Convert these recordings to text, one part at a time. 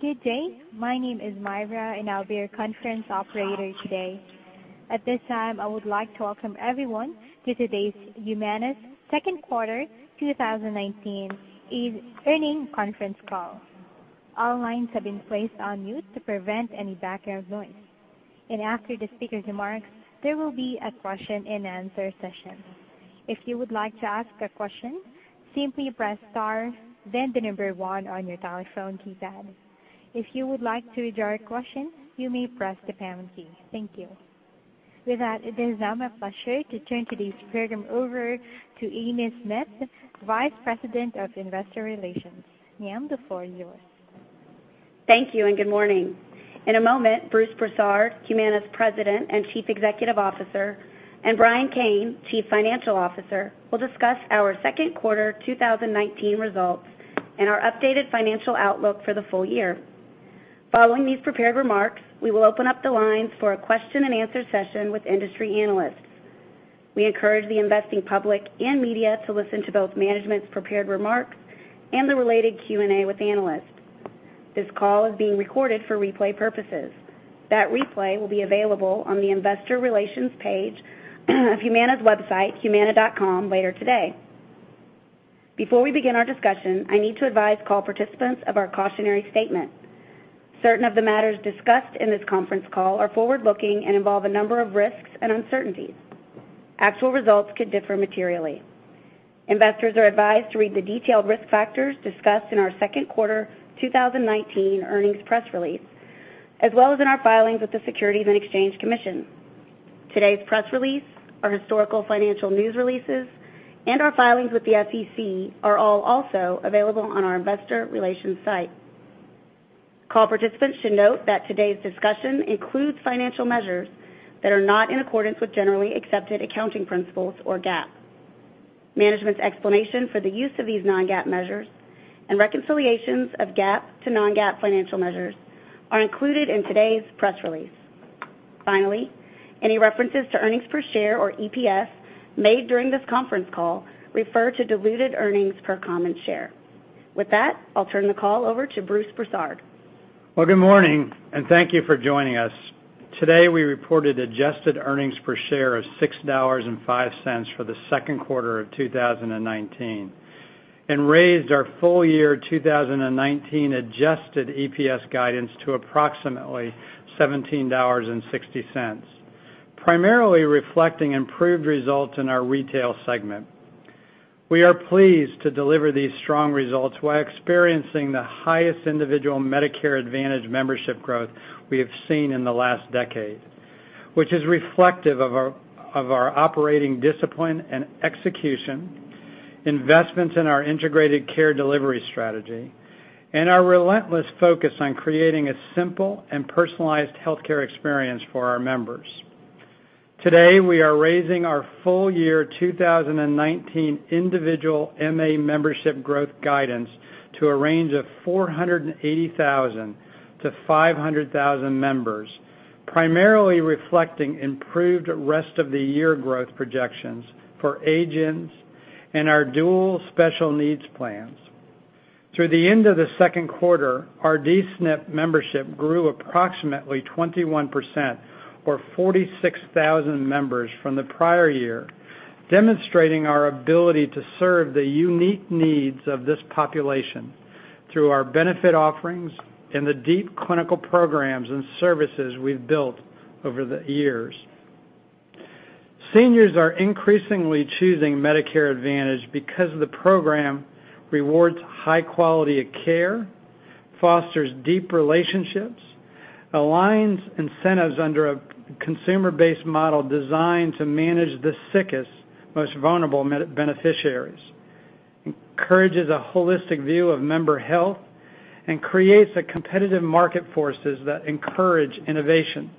Good day. My name is Myra, and I'll be your conference operator today. At this time, I would like to welcome everyone to today's Humana's second quarter 2019 earnings conference call. All lines have been placed on mute to prevent any background noise. After the speaker remarks, there will be a question-and-answer session. If you would like to ask a question, simply press star then the number one on your telephone keypad. If you would like to withdraw a question, you may press the pound key. Thank you. With that, it is now my pleasure to turn today's program over to Amy Smith, Vice President of Investor Relations. Ma'am, the floor is yours. Thank you. Good morning. In a moment, Bruce Broussard, Humana's President and Chief Executive Officer, and Brian Kane, Chief Financial Officer, will discuss our second quarter 2019 results and our updated financial outlook for the full year. Following these prepared remarks, we will open up the lines for a question-and-answer session with industry analysts. We encourage the investing public and media to listen to both management's prepared remarks and the related Q&A with analysts. This call is being recorded for replay purposes. That replay will be available on the investor relations page of Humana's website, humana.com later today. Before we begin our discussion, I need to advise call participants of our cautionary statement. Certain of the matters discussed in this conference call are forward-looking and involve a number of risks and uncertainties. Actual results could differ materially. Investors are advised to read the detailed risk factors discussed in our second quarter 2019 earnings press release, as well as in our filings with the Securities and Exchange Commission. Today's press release, our historical financial news releases, and our filings with the SEC are all also available on our investor relations site. Call participants should note that today's discussion includes financial measures that are not in accordance with generally accepted accounting principles or GAAP. Management's explanation for the use of these non-GAAP measures. Reconciliations of GAAP to non-GAAP financial measures are included in today's press release. Finally, any references to earnings per share or EPS made during this conference call refer to diluted earnings per common share. With that, I'll turn the call over to Bruce Broussard. Well, good morning, thank you for joining us. Today, we reported adjusted earnings per share of $6.05 for the second quarter of 2019 and raised our full year 2019 adjusted EPS guidance to approximately $17.60, primarily reflecting improved results in our Retail segment. We are pleased to deliver these strong results while experiencing the highest individual Medicare Advantage membership growth we have seen in the last decade, which is reflective of our operating discipline and execution, investments in our integrated care delivery strategy, and our relentless focus on creating a simple and personalized healthcare experience for our members. Today, we are raising our full year 2019 individual MA membership growth guidance to a range of 480,000 to 500,000 members, primarily reflecting improved rest-of-the-year growth projections for agents and our Dual Special Needs Plans. Through the end of the second quarter, our D-SNP membership grew approximately 21%, or 46,000 members from the prior year, demonstrating our ability to serve the unique needs of this population through our benefit offerings and the deep clinical programs and services we've built over the years. Seniors are increasingly choosing Medicare Advantage because the program rewards high quality of care, fosters deep relationships, aligns incentives under a consumer-based model designed to manage the sickest, most vulnerable beneficiaries, encourages a holistic view of member health, and creates competitive market forces that encourage innovation.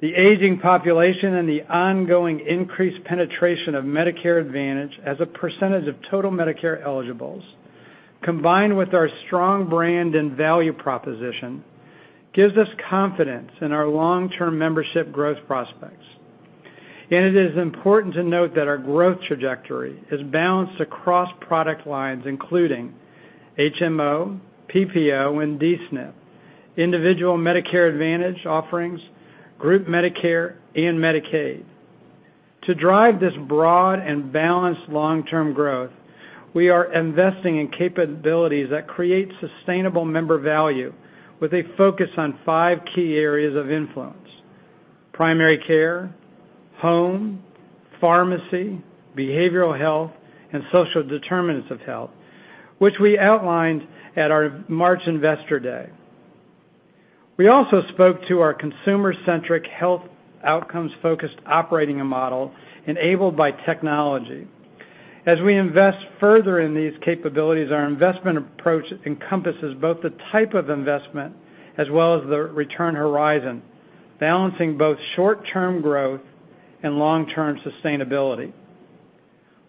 The aging population and the ongoing increased penetration of Medicare Advantage as a percentage of total Medicare eligibles, combined with our strong brand and value proposition, gives us confidence in our long-term membership growth prospects. It is important to note that our growth trajectory is balanced across product lines, including HMO, PPO, and D-SNP, individual Medicare Advantage offerings, group Medicare, and Medicaid. To drive this broad and balanced long-term growth, we are investing in capabilities that create sustainable member value with a focus on five key areas of influence: primary care, home, pharmacy, behavioral health, and social determinants of health, which we outlined at our March Investor Day. We also spoke to our consumer-centric health outcomes-focused operating model enabled by technology. As we invest further in these capabilities, our investment approach encompasses both the type of investment as well as the return horizon, balancing both short-term growth and long-term sustainability.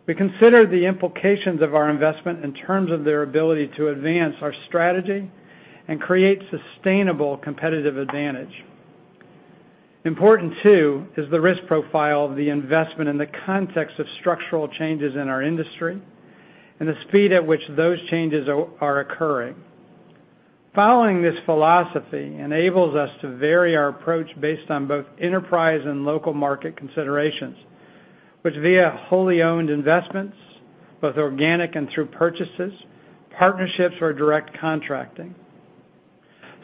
We consider the implications of our investment in terms of their ability to advance our strategy and create sustainable competitive advantage. Important too is the risk profile of the investment in the context of structural changes in our industry and the speed at which those changes are occurring. Following this philosophy enables us to vary our approach based on both enterprise and local market considerations, which via wholly owned investments, both organic and through purchases, partnerships, or direct contracting.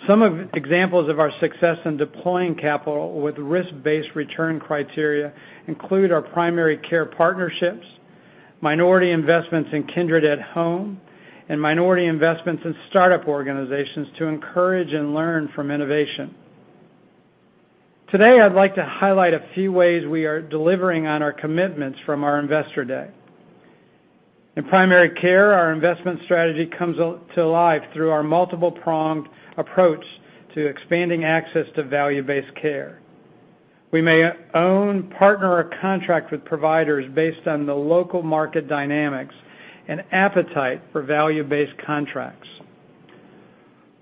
Some of examples of our success in deploying capital with risk-based return criteria include our primary care partnerships, minority investments in Kindred at Home, and minority investments in startup organizations to encourage and learn from innovation. Today, I'd like to highlight a few ways we are delivering on our commitments from our investor day. In primary care, our investment strategy comes to life through our multiple-pronged approach to expanding access to value-based care. We may own, partner, or contract with providers based on the local market dynamics and appetite for value-based contracts.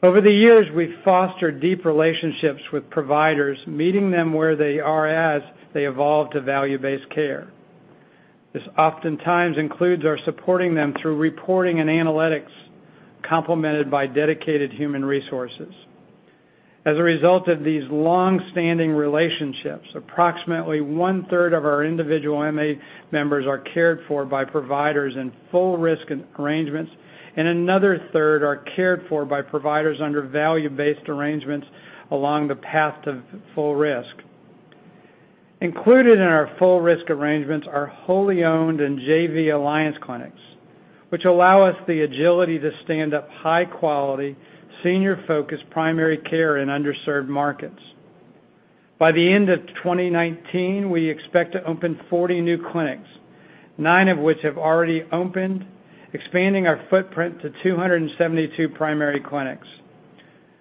Over the years, we've fostered deep relationships with providers, meeting them where they are as they evolve to value-based care. This oftentimes includes our supporting them through reporting and analytics, complemented by dedicated human resources. As a result of these longstanding relationships, approximately one-third of our individual MA members are cared for by providers in full risk arrangements, and another third are cared for by providers under value-based arrangements along the path to full risk. Included in our full risk arrangements are wholly owned and JV alliance clinics, which allow us the agility to stand up high-quality, senior-focused primary care in underserved markets. By the end of 2019, we expect to open 40 new clinics, nine of which have already opened, expanding our footprint to 272 primary clinics.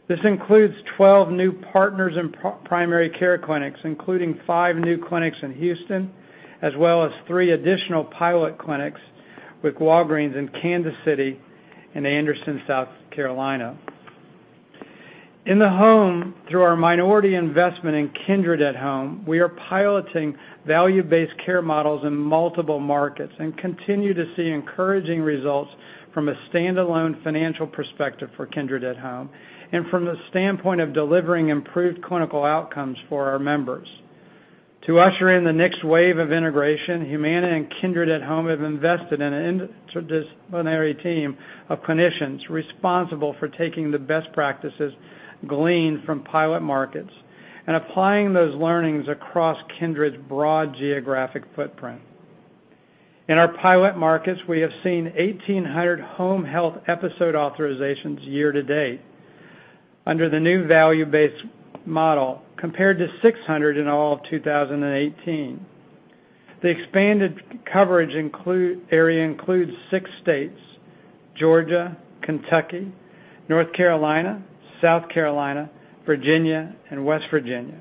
This includes 12 new Partners in Primary Care clinics, including five new clinics in Houston, as well as three additional pilot clinics with Walgreens in Kansas City and Anderson, South Carolina. In the home, through our minority investment in Kindred at Home, we are piloting value-based care models in multiple markets and continue to see encouraging results from a standalone financial perspective for Kindred at Home and from the standpoint of delivering improved clinical outcomes for our members. To usher in the next wave of integration, Humana and Kindred at Home have invested in an interdisciplinary team of clinicians responsible for taking the best practices gleaned from pilot markets and applying those learnings across Kindred's broad geographic footprint. In our pilot markets, we have seen 1,800 home health episode authorizations year to date under the new value-based model compared to 600 in all of 2018. The expanded coverage area includes six states, Georgia, Kentucky, North Carolina, South Carolina, Virginia, and West Virginia,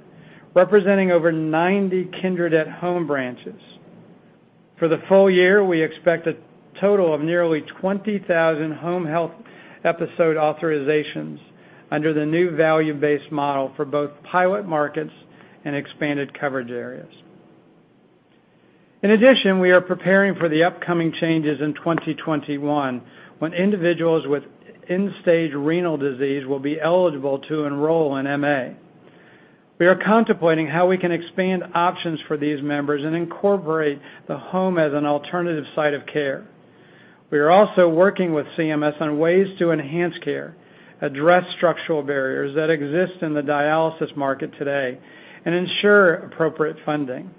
representing over 90 Kindred at Home branches. For the full year, we expect a total of nearly 20,000 home health episode authorizations under the new value-based model for both pilot markets and expanded coverage areas. We are preparing for the upcoming changes in 2021 when individuals with end-stage renal disease will be eligible to enroll in MA. We are contemplating how we can expand options for these members and incorporate the home as an alternative site of care. We are also working with CMS on ways to enhance care, address structural barriers that exist in the dialysis market today, and ensure appropriate funding.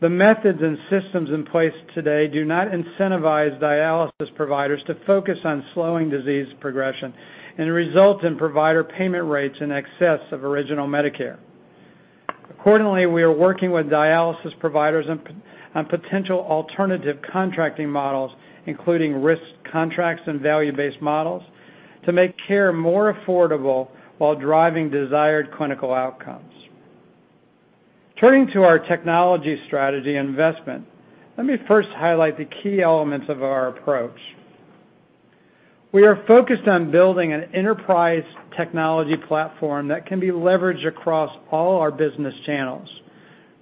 The methods and systems in place today do not incentivize dialysis providers to focus on slowing disease progression and result in provider payment rates in excess of original Medicare. Accordingly, we are working with dialysis providers on potential alternative contracting models, including risk contracts and value-based models to make care more affordable while driving desired clinical outcomes. Turning to our technology strategy investment, let me first highlight the key elements of our approach. We are focused on building an enterprise technology platform that can be leveraged across all our business channels,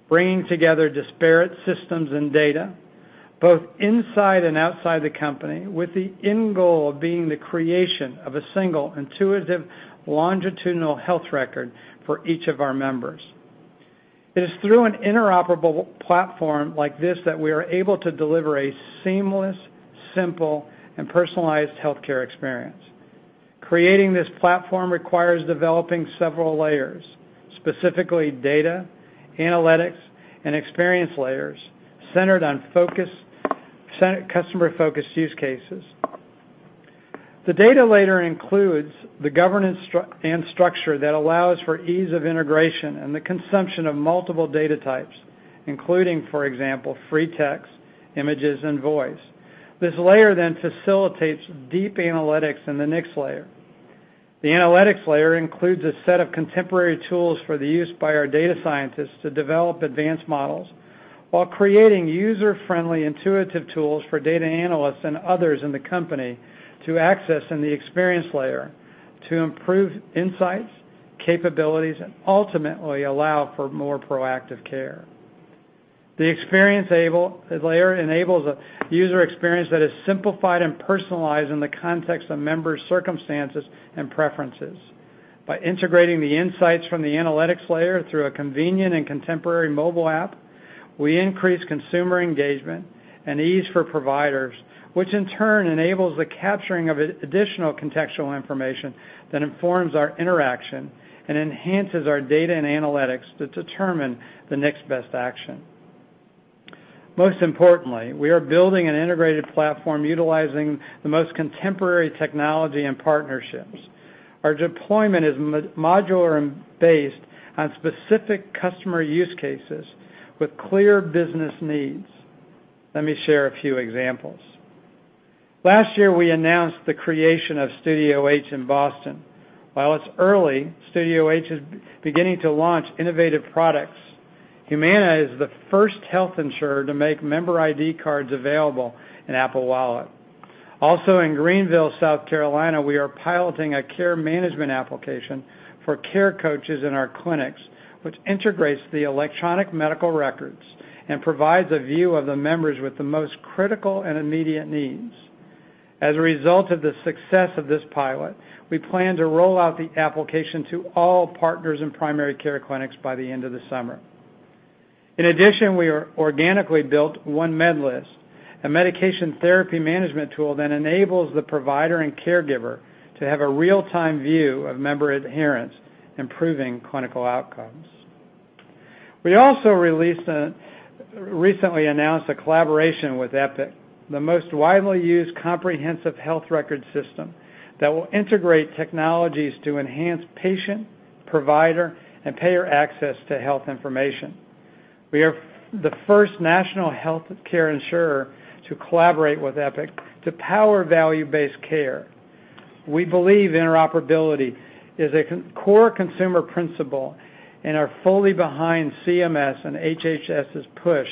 bringing together disparate systems and data, both inside and outside the company, with the end goal being the creation of a single, intuitive, longitudinal health record for each of our members. It is through an interoperable platform like this that we are able to deliver a seamless, simple, and personalized healthcare experience. Creating this platform requires developing several layers, specifically data, analytics, and experience layers centered on customer-focused use cases. The data layer includes the governance and structure that allows for ease of integration and the consumption of multiple data types, including, for example, free text, images, and voice. This layer facilitates deep analytics in the next layer. The analytics layer includes a set of contemporary tools for the use by our data scientists to develop advanced models. While creating user-friendly intuitive tools for data analysts and others in the company to access in the experience layer to improve insights, capabilities, and ultimately allow for more proactive care. The experience layer enables a user experience that is simplified and personalized in the context of members' circumstances and preferences. By integrating the insights from the analytics layer through a convenient and contemporary mobile app, we increase consumer engagement and ease for providers, which in turn enables the capturing of additional contextual information that informs our interaction and enhances our data and analytics to determine the next best action. Most importantly, we are building an integrated platform utilizing the most contemporary technology and partnerships. Our deployment is modular and based on specific customer use cases with clear business needs. Let me share a few examples. Last year, we announced the creation of Studio H in Boston. While it's early, Studio H is beginning to launch innovative products. Humana is the first health insurer to make member ID cards available in Apple Wallet. Also, in Greenville, South Carolina, we are piloting a care management application for care coaches in our clinics, which integrates the electronic medical records and provides a view of the members with the most critical and immediate needs. As a result of the success of this pilot, we plan to roll out the application to all Partners in Primary Care clinics by the end of the summer. In addition, we organically built OneMedList, a medication therapy management tool that enables the provider and caregiver to have a real-time view of member adherence, improving clinical outcomes. We also recently announced a collaboration with Epic, the most widely used comprehensive health record system that will integrate technologies to enhance patient, provider, and payer access to health information. We are the first national healthcare insurer to collaborate with Epic to power value-based care. We believe interoperability is a core consumer principle and are fully behind CMS and HHS's push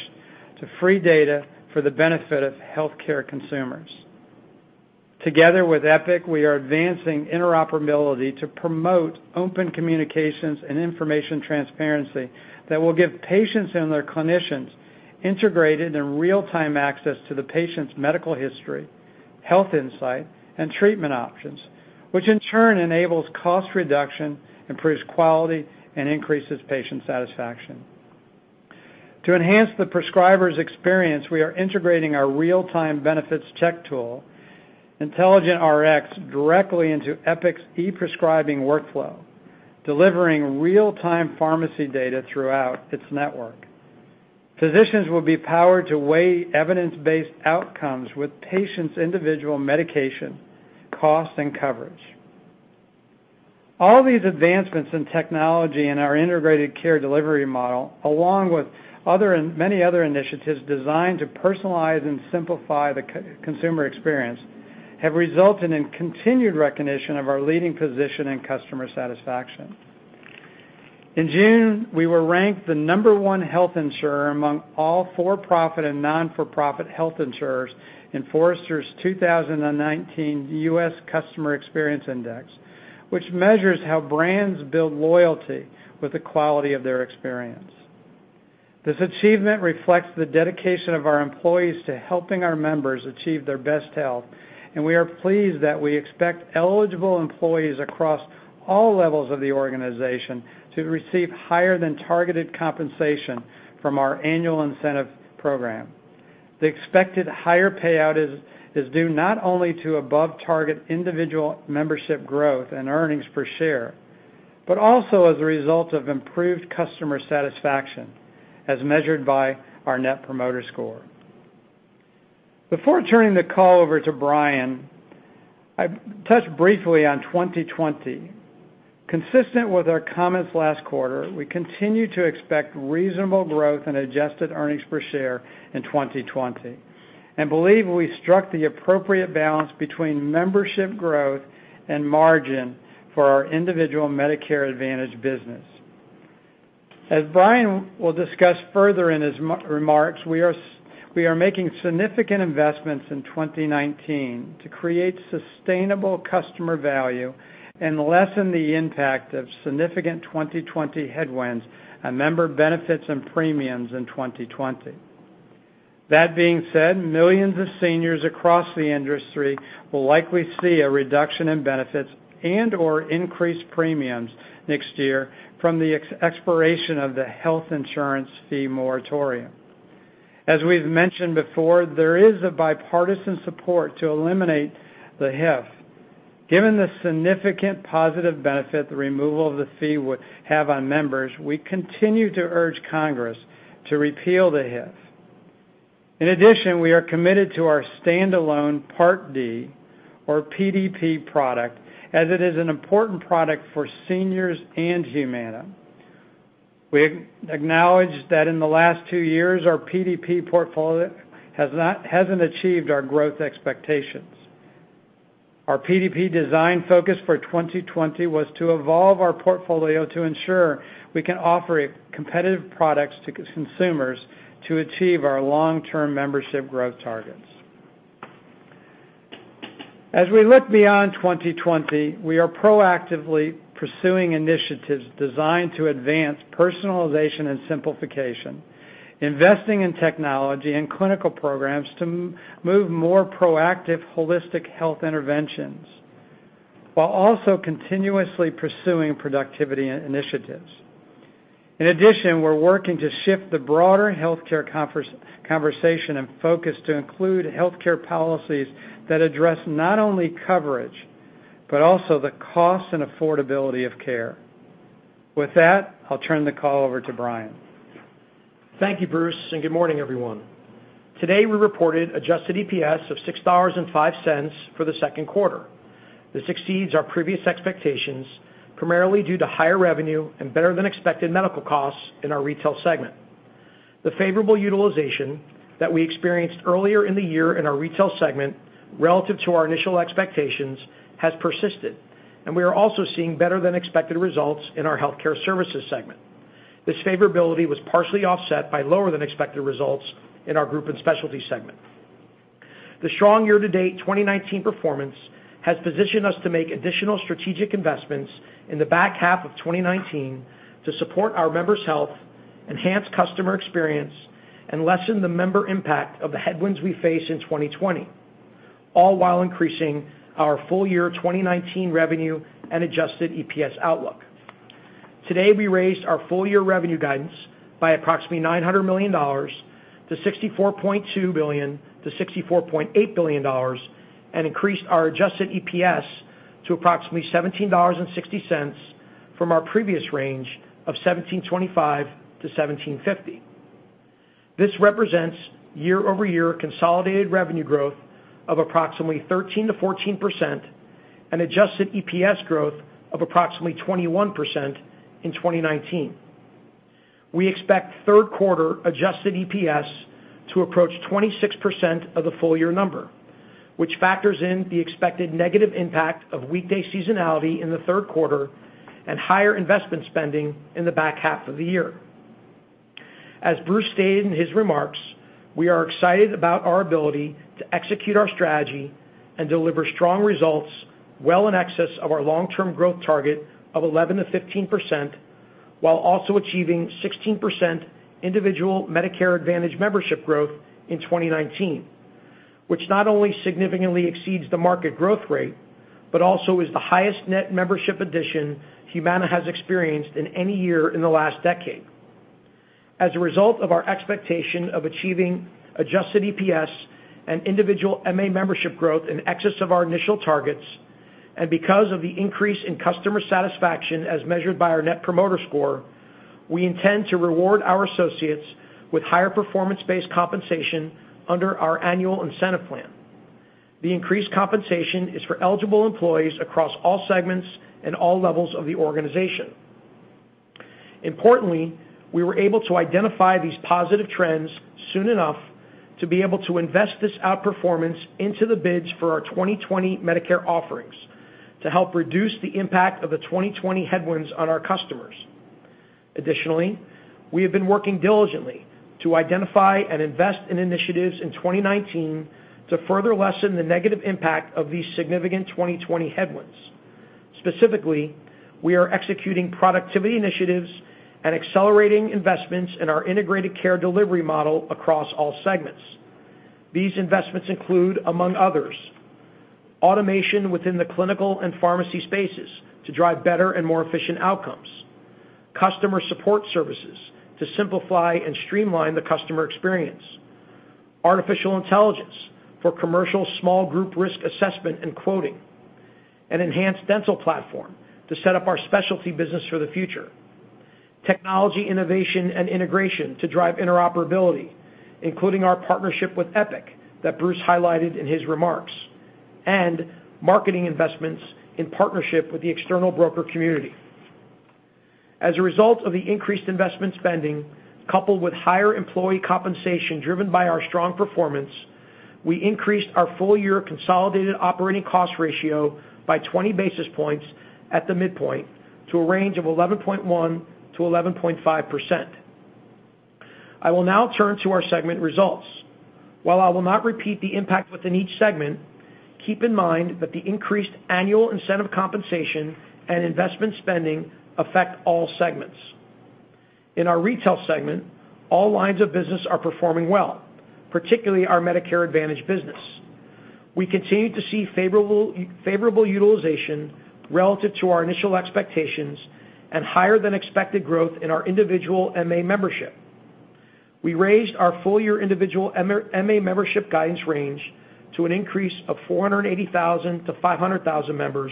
to free data for the benefit of healthcare consumers. Together with Epic, we are advancing interoperability to promote open communications and information transparency that will give patients and their clinicians integrated and real-time access to the patient's medical history, health insight, and treatment options, which in turn enables cost reduction, improves quality, and increases patient satisfaction. To enhance the prescriber's experience, we are integrating our real-time benefits check tool, IntelligentRx, directly into Epic's e-prescribing workflow, delivering real-time pharmacy data throughout its network. Physicians will be powered to weigh evidence-based outcomes with patients' individual medication, cost, and coverage. All these advancements in technology and our integrated care delivery model, along with many other initiatives designed to personalize and simplify the consumer experience, have resulted in continued recognition of our leading position in customer satisfaction. In June, we were ranked the number 1 health insurer among all for-profit and non-for-profit health insurers in Forrester's 2019 US Customer Experience Index, which measures how brands build loyalty with the quality of their experience. This achievement reflects the dedication of our employees to helping our members achieve their best health, and we are pleased that we expect eligible employees across all levels of the organization to receive higher than targeted compensation from our annual incentive program. The expected higher payout is due not only to above-target individual membership growth and earnings per share, but also as a result of improved customer satisfaction as measured by our net promoter score. Before turning the call over to Brian, I touch briefly on 2020. Consistent with our comments last quarter, we continue to expect reasonable growth in adjusted earnings per share in 2020 and believe we struck the appropriate balance between membership growth and margin for our individual Medicare Advantage business. As Brian will discuss further in his remarks, we are making significant investments in 2019 to create sustainable customer value and lessen the impact of significant 2020 headwinds on member benefits and premiums in 2020. That being said, millions of seniors across the industry will likely see a reduction in benefits and/or increased premiums next year from the expiration of the health insurance fee moratorium. As we've mentioned before, there is a bipartisan support to eliminate the HIF. Given the significant positive benefit the removal of the fee would have on members, we continue to urge Congress to repeal the HIF. We are committed to our standalone Part D or PDP product as it is an important product for seniors and Humana. We acknowledge that in the last two years, our PDP portfolio hasn't achieved our growth expectations. Our PDP design focus for 2020 was to evolve our portfolio to ensure we can offer competitive products to consumers to achieve our long-term membership growth targets. We look beyond 2020, we are proactively pursuing initiatives designed to advance personalization and simplification, investing in technology and clinical programs to move more proactive holistic health interventions, while also continuously pursuing productivity initiatives. We're working to shift the broader healthcare conversation and focus to include healthcare policies that address not only coverage, but also the cost and affordability of care. With that, I'll turn the call over to Brian. Thank you, Bruce. Good morning, everyone. Today, we reported adjusted EPS of $6.05 for the second quarter. This exceeds our previous expectations, primarily due to higher revenue and better than expected medical costs in our retail segment. The favorable utilization that we experienced earlier in the year in our retail segment relative to our initial expectations has persisted, and we are also seeing better than expected results in our healthcare services segment. This favorability was partially offset by lower than expected results in our group and specialty segment. The strong year-to-date 2019 performance has positioned us to make additional strategic investments in the back half of 2019 to support our members' health, enhance customer experience, and lessen the member impact of the headwinds we face in 2020, all while increasing our full year 2019 revenue and adjusted EPS outlook. Today, we raised our full year revenue guidance by approximately $900 million to $64.2 billion-$64.8 billion, and increased our adjusted EPS to approximately $17.60 from our previous range of $17.25-$17.50. This represents year-over-year consolidated revenue growth of approximately 13%-14% and adjusted EPS growth of approximately 21% in 2019. We expect third quarter adjusted EPS to approach 26% of the full year number, which factors in the expected negative impact of weekday seasonality in the third quarter and higher investment spending in the back half of the year. As Bruce stated in his remarks, we are excited about our ability to execute our strategy and deliver strong results well in excess of our long-term growth target of 11%-15%, while also achieving 16% individual Medicare Advantage membership growth in 2019, which not only significantly exceeds the market growth rate, but also is the highest net membership addition Humana has experienced in any year in the last decade. As a result of our expectation of achieving adjusted EPS and individual MA membership growth in excess of our initial targets, and because of the increase in customer satisfaction as measured by our net promoter score, we intend to reward our associates with higher performance-based compensation under our annual incentive plan. The increased compensation is for eligible employees across all segments and all levels of the organization. Importantly, we were able to identify these positive trends soon enough to be able to invest this outperformance into the bids for our 2020 Medicare offerings to help reduce the impact of the 2020 headwinds on our customers. Additionally, we have been working diligently to identify and invest in initiatives in 2019 to further lessen the negative impact of these significant 2020 headwinds. Specifically, we are executing productivity initiatives and accelerating investments in our integrated care delivery model across all segments. These investments include, among others, automation within the clinical and pharmacy spaces to drive better and more efficient outcomes, customer support services to simplify and streamline the customer experience, artificial intelligence for commercial small group risk assessment and quoting, an enhanced dental platform to set up our specialty business for the future, technology innovation and integration to drive interoperability, including our partnership with Epic that Bruce highlighted in his remarks, and marketing investments in partnership with the external broker community. As a result of the increased investment spending, coupled with higher employee compensation driven by our strong performance, we increased our full year consolidated operating cost ratio by 20 basis points at the midpoint to a range of 11.1%-11.5%. I will now turn to our segment results. While I will not repeat the impact within each segment, keep in mind that the increased annual incentive compensation and investment spending affect all segments. In our Retail segment, all lines of business are performing well, particularly our Medicare Advantage business. We continue to see favorable utilization relative to our initial expectations and higher than expected growth in our individual MA membership. We raised our full year individual MA membership guidance range to an increase of 480,000-500,000 members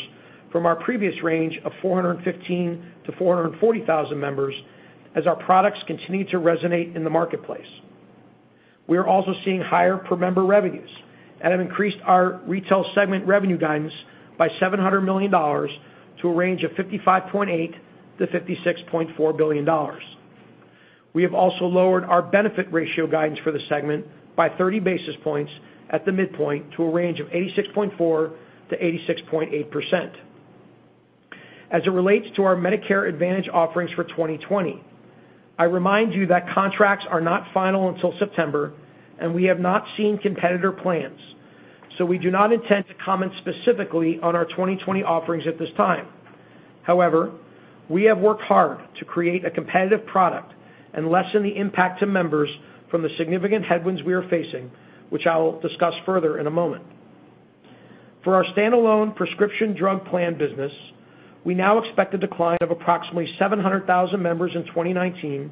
from our previous range of 415,000-440,000 members as our products continue to resonate in the marketplace. We are also seeing higher per member revenues and have increased our Retail segment revenue guidance by $700 million to a range of $55.8 billion-$56.4 billion. We have also lowered our benefit ratio guidance for the segment by 30 basis points at the midpoint to a range of 86.4%-86.8%. As it relates to our Medicare Advantage offerings for 2020, I remind you that contracts are not final until September, and we have not seen competitor plans, so we do not intend to comment specifically on our 2020 offerings at this time. However, we have worked hard to create a competitive product and lessen the impact to members from the significant headwinds we are facing, which I will discuss further in a moment. For our standalone prescription drug plan business, we now expect a decline of approximately 700,000 members in 2019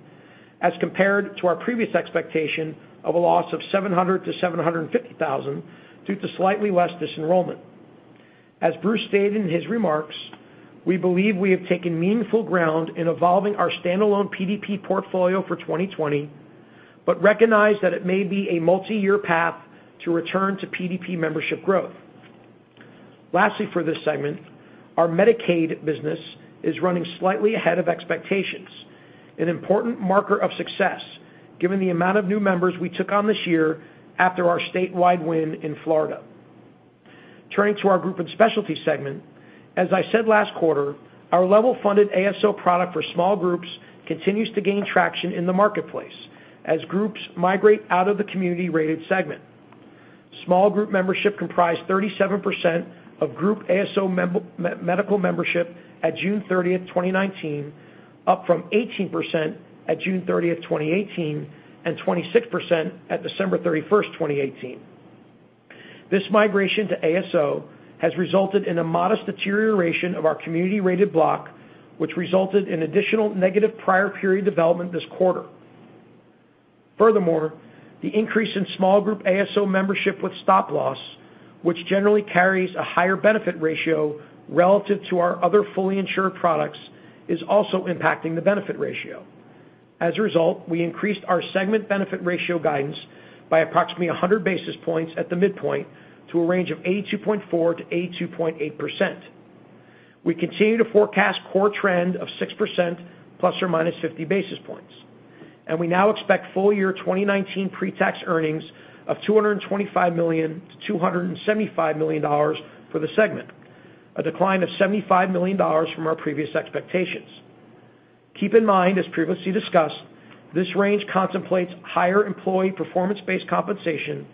as compared to our previous expectation of a loss of 700,000-750,000 due to slightly less disenrollment. As Bruce stated in his remarks, we believe we have taken meaningful ground in evolving our standalone PDP portfolio for 2020, but recognize that it may be a multi-year path to return to PDP membership growth. Lastly, for this segment, our Medicaid business is running slightly ahead of expectations, an important marker of success given the amount of new members we took on this year after our statewide win in Florida. Turning to our group and specialty segment. As I said last quarter, our level-funded ASO product for small groups continues to gain traction in the marketplace as groups migrate out of the community-rated segment. Small group membership comprised 37% of group ASO medical membership at June 30th, 2019, up from 18% at June 30th, 2018, and 26% at December 31st, 2018. This migration to ASO has resulted in a modest deterioration of our community-rated block, which resulted in additional negative prior period development this quarter. Furthermore, the increase in small group ASO membership with stop-loss, which generally carries a higher benefit ratio relative to our other fully insured products, is also impacting the benefit ratio. As a result, we increased our segment benefit ratio guidance by approximately 100 basis points at the midpoint to a range of 82.4%-82.8%. We continue to forecast core trend of 6% ±50 basis points, and we now expect full year 2019 pre-tax earnings of $225 million-$275 million for the segment, a decline of $75 million from our previous expectations. Keep in mind, as previously discussed, this range contemplates higher employee performance-based compensation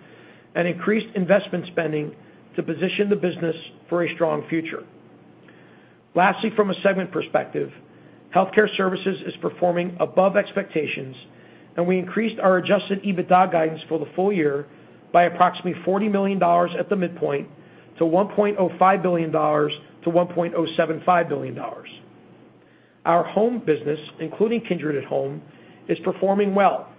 and increased investment spending to position the business for a strong future. Lastly, from a segment perspective, Healthcare Services is performing above expectations, and we increased our adjusted EBITDA guidance for the full year by approximately $40 million at the midpoint to $1.05 billion-$1.075 billion. Our home business, including Kindred at Home, is performing well,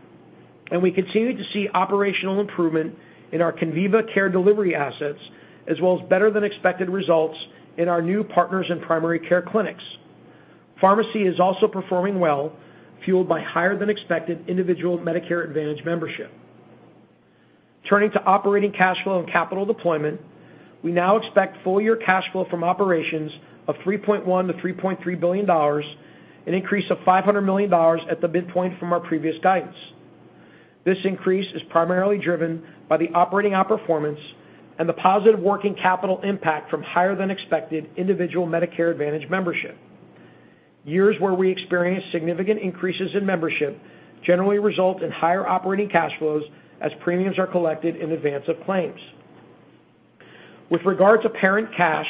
and we continue to see operational improvement in our Conviva care delivery assets, as well as better-than-expected results in our new Partners in Primary Care clinics. Pharmacy is also performing well, fueled by higher-than-expected individual Medicare Advantage membership. Turning to operating cash flow and capital deployment. We now expect full year cash flow from operations of $3.1 billion-$3.3 billion, an increase of $500 million at the midpoint from our previous guidance. This increase is primarily driven by the operating outperformance and the positive working capital impact from higher-than-expected individual Medicare Advantage membership. Years where we experience significant increases in membership generally result in higher operating cash flows as premiums are collected in advance of claims. With regard to parent cash,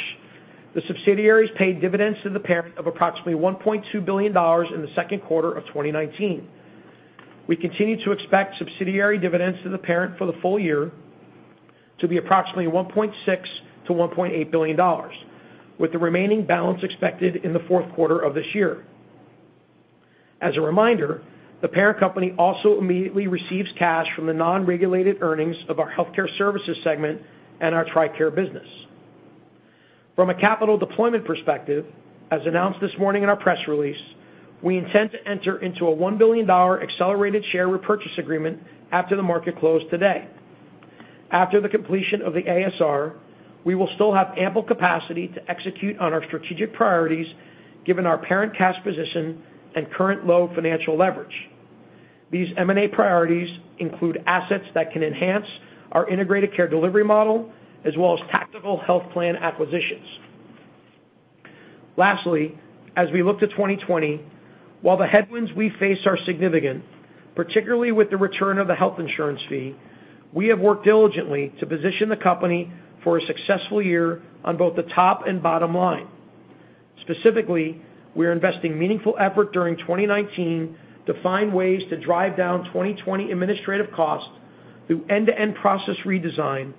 the subsidiaries paid dividends to the parent of approximately $1.2 billion in the second quarter of 2019. We continue to expect subsidiary dividends to the parent for the full year to be approximately $1.6 billion to $1.8 billion, with the remaining balance expected in the fourth quarter of this year. As a reminder, the parent company also immediately receives cash from the non-regulated earnings of our healthcare services segment and our TRICARE business. From a capital deployment perspective, as announced this morning in our press release, we intend to enter into a $1 billion accelerated share repurchase agreement after the market closed today. After the completion of the ASR, we will still have ample capacity to execute on our strategic priorities given our parent cash position and current low financial leverage. These M&A priorities include assets that can enhance our integrated care delivery model as well as tactical health plan acquisitions. As we look to 2020, while the headwinds we face are significant, particularly with the return of the Health Insurance Fee, we have worked diligently to position the company for a successful year on both the top and bottom line. Specifically, we are investing meaningful effort during 2019 to find ways to drive down 2020 administrative costs through end-to-end process redesign,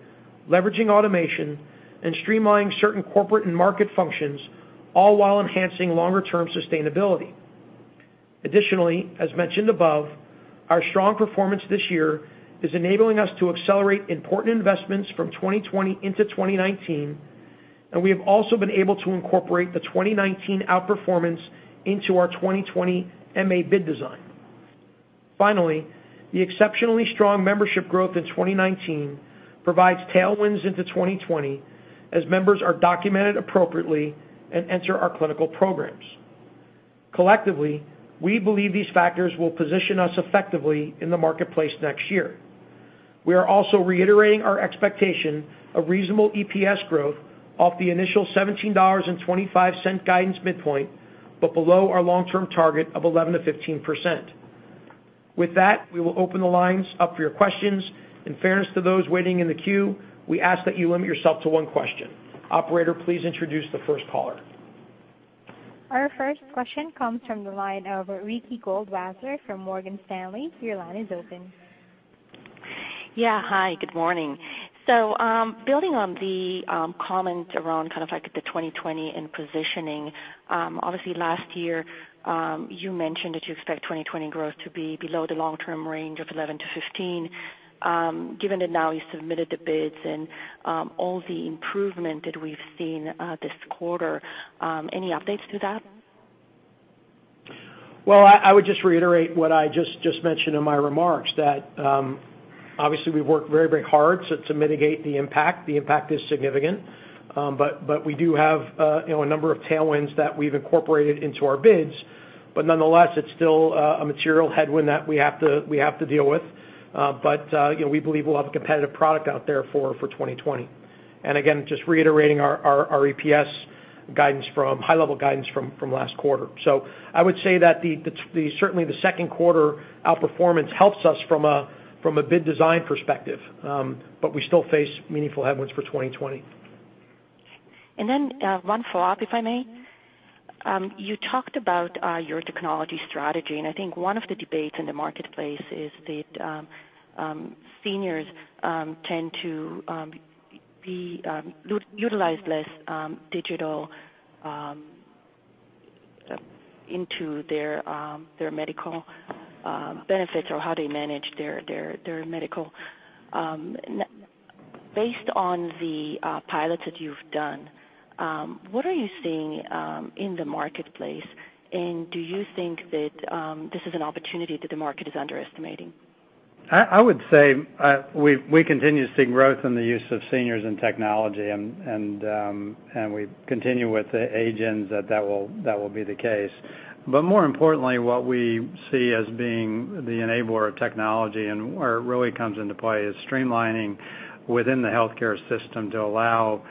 leveraging automation, and streamlining certain corporate and market functions, all while enhancing longer-term sustainability. Additionally, as mentioned above, our strong performance this year is enabling us to accelerate important investments from 2020 into 2019, and we have also been able to incorporate the 2019 outperformance into our 2020 MA bid design. The exceptionally strong membership growth in 2019 provides tailwinds into 2020 as members are documented appropriately and enter our clinical programs. Collectively, we believe these factors will position us effectively in the marketplace next year. We are also reiterating our expectation of reasonable EPS growth off the initial $17.25 guidance midpoint, but below our long-term target of 11%-15%. With that, we will open the lines up for your questions. In fairness to those waiting in the queue, we ask that you limit yourself to one question. Operator, please introduce the first caller. Our first question comes from the line of Ricky Goldwasser from Morgan Stanley. Your line is open. Yeah. Hi, good morning. Building on the comment around kind of like the 2020 and positioning, obviously last year, you mentioned that you expect 2020 growth to be below the long-term range of 11%-15%. Given that now you submitted the bids and all the improvement that we've seen this quarter, any updates to that? Well, I would just reiterate what I just mentioned in my remarks, that obviously we've worked very hard to mitigate the impact. The impact is significant. We do have a number of tailwinds that we've incorporated into our bids. Nonetheless, it's still a material headwind that we have to deal with. We believe we'll have a competitive product out there for 2020. Again, just reiterating our EPS high level guidance from last quarter. I would say that certainly the second quarter outperformance helps us from a bid design perspective, but we still face meaningful headwinds for 2020. One follow-up, if I may. You talked about your technology strategy, and I think one of the debates in the marketplace is that seniors tend to utilize less digital into their medical benefits or how they manage their medical. Based on the pilots that you've done, what are you seeing in the marketplace, and do you think that this is an opportunity that the market is underestimating? I would say we continue to see growth in the use of seniors in technology and we continue with the age-ins that will be the case. More importantly, what we see as being the enabler of technology and where it really comes into play is streamlining within the healthcare system to allow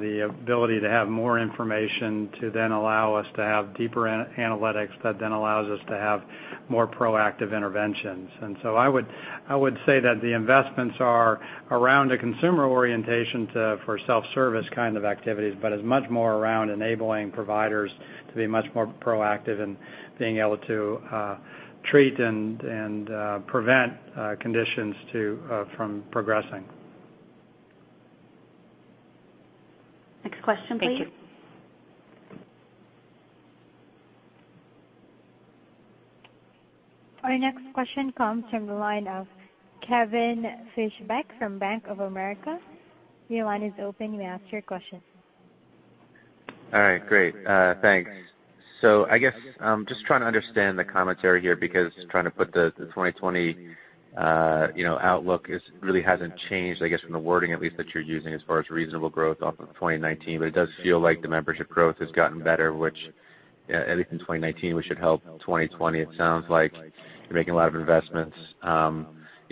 the ability to have more information to then allow us to have deeper analytics that then allows us to have more proactive interventions. I would say that the investments are around a consumer orientation for self-service kind of activities, but is much more around enabling providers to be much more proactive in being able to treat and prevent conditions from progressing. Next question, please. Thank you. Our next question comes from the line of Kevin Fischbeck from Bank of America. Your line is open. You may ask your question. All right, great. Thanks. I guess, just trying to understand the commentary here because trying to put the 2020 outlook really hasn't changed, I guess, from the wording at least that you're using as far as reasonable growth off of 2019. It does feel like the membership growth has gotten better, which at least in 2019, which should help 2020. It sounds like you're making a lot of investments.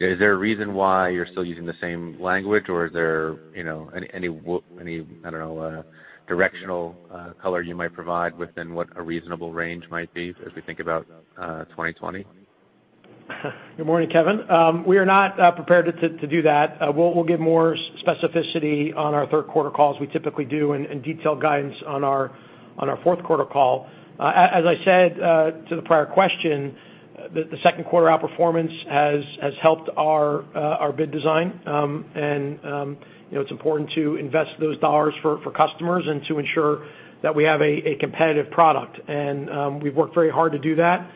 Is there a reason why you're still using the same language, or is there any, I don't know, directional color you might provide within what a reasonable range might be as we think about 2020? Good morning, Kevin. We are not prepared to do that. We'll give more specificity on our third quarter calls, we typically do, and detailed guidance on our fourth quarter call. As I said to the prior question, the second quarter outperformance has helped our bid design. It's important to invest those dollars for customers and to ensure that we have a competitive product. We've worked very hard to do that.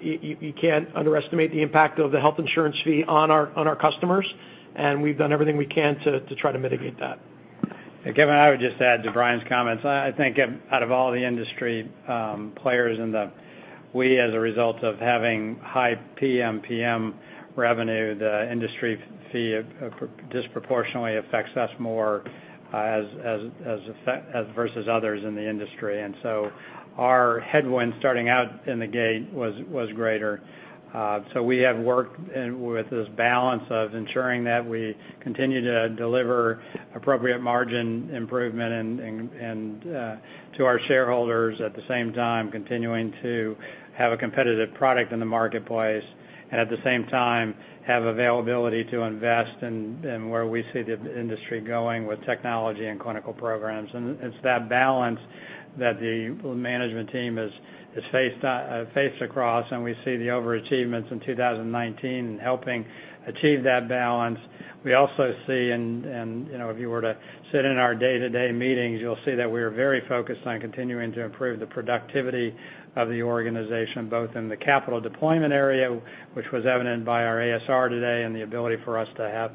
You can't underestimate the impact of the health insurance fee on our customers, and we've done everything we can to try to mitigate that. Kevin, I would just add to Brian's comments. I think out of all the industry players. We, as a result of having high PMPM revenue, the industry fee disproportionately affects us more versus others in the industry. Our headwind starting out in the gate was greater. We have worked with this balance of ensuring that we continue to deliver appropriate margin improvement to our shareholders, at the same time, continuing to have a competitive product in the marketplace, and at the same time, have availability to invest in where we see the industry going with technology and clinical programs. It's that balance that the management team has faced across, and we see the over-achievements in 2019 in helping achieve that balance. We also see, and if you were to sit in our day-to-day meetings, you'll see that we are very focused on continuing to improve the productivity of the organization, both in the capital deployment area, which was evident by our ASR today and the ability for us to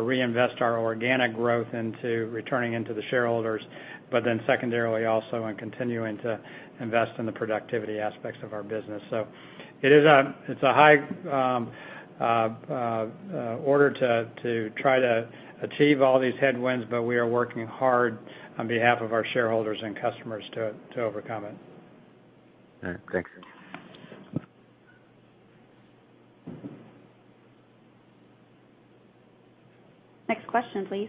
reinvest our organic growth into returning into the shareholders, but then secondarily also on continuing to invest in the productivity aspects of our business. It's a high order to try to achieve all these headwinds, but we are working hard on behalf of our shareholders and customers to overcome it. All right. Thanks. Next question, please.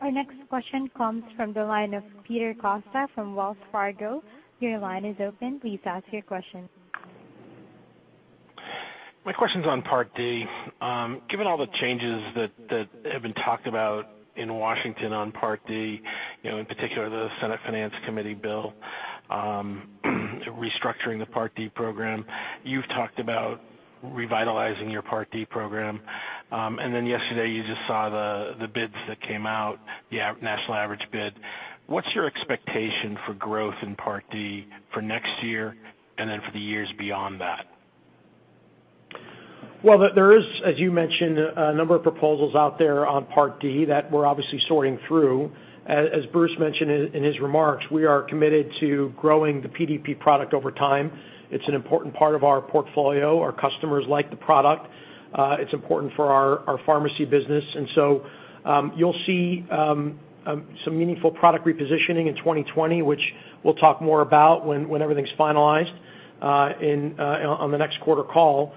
Our next question comes from the line of Peter Costa from Wells Fargo. Your line is open. Please ask your question. My question's on Part D. Given all the changes that have been talked about in Washington on Part D, in particular the Senate Finance Committee bill restructuring the Part D program, you've talked about revitalizing your Part D program. Yesterday, you just saw the bids that came out, the national average bid. What's your expectation for growth in Part D for next year, for the years beyond that? Well, there is, as you mentioned, a number of proposals out there on Part D that we're obviously sorting through. As Bruce mentioned in his remarks, we are committed to growing the PDP product over time. It's an important part of our portfolio. Our customers like the product. It's important for our pharmacy business. You'll see some meaningful product repositioning in 2020, which we'll talk more about when everything's finalized on the next quarter call.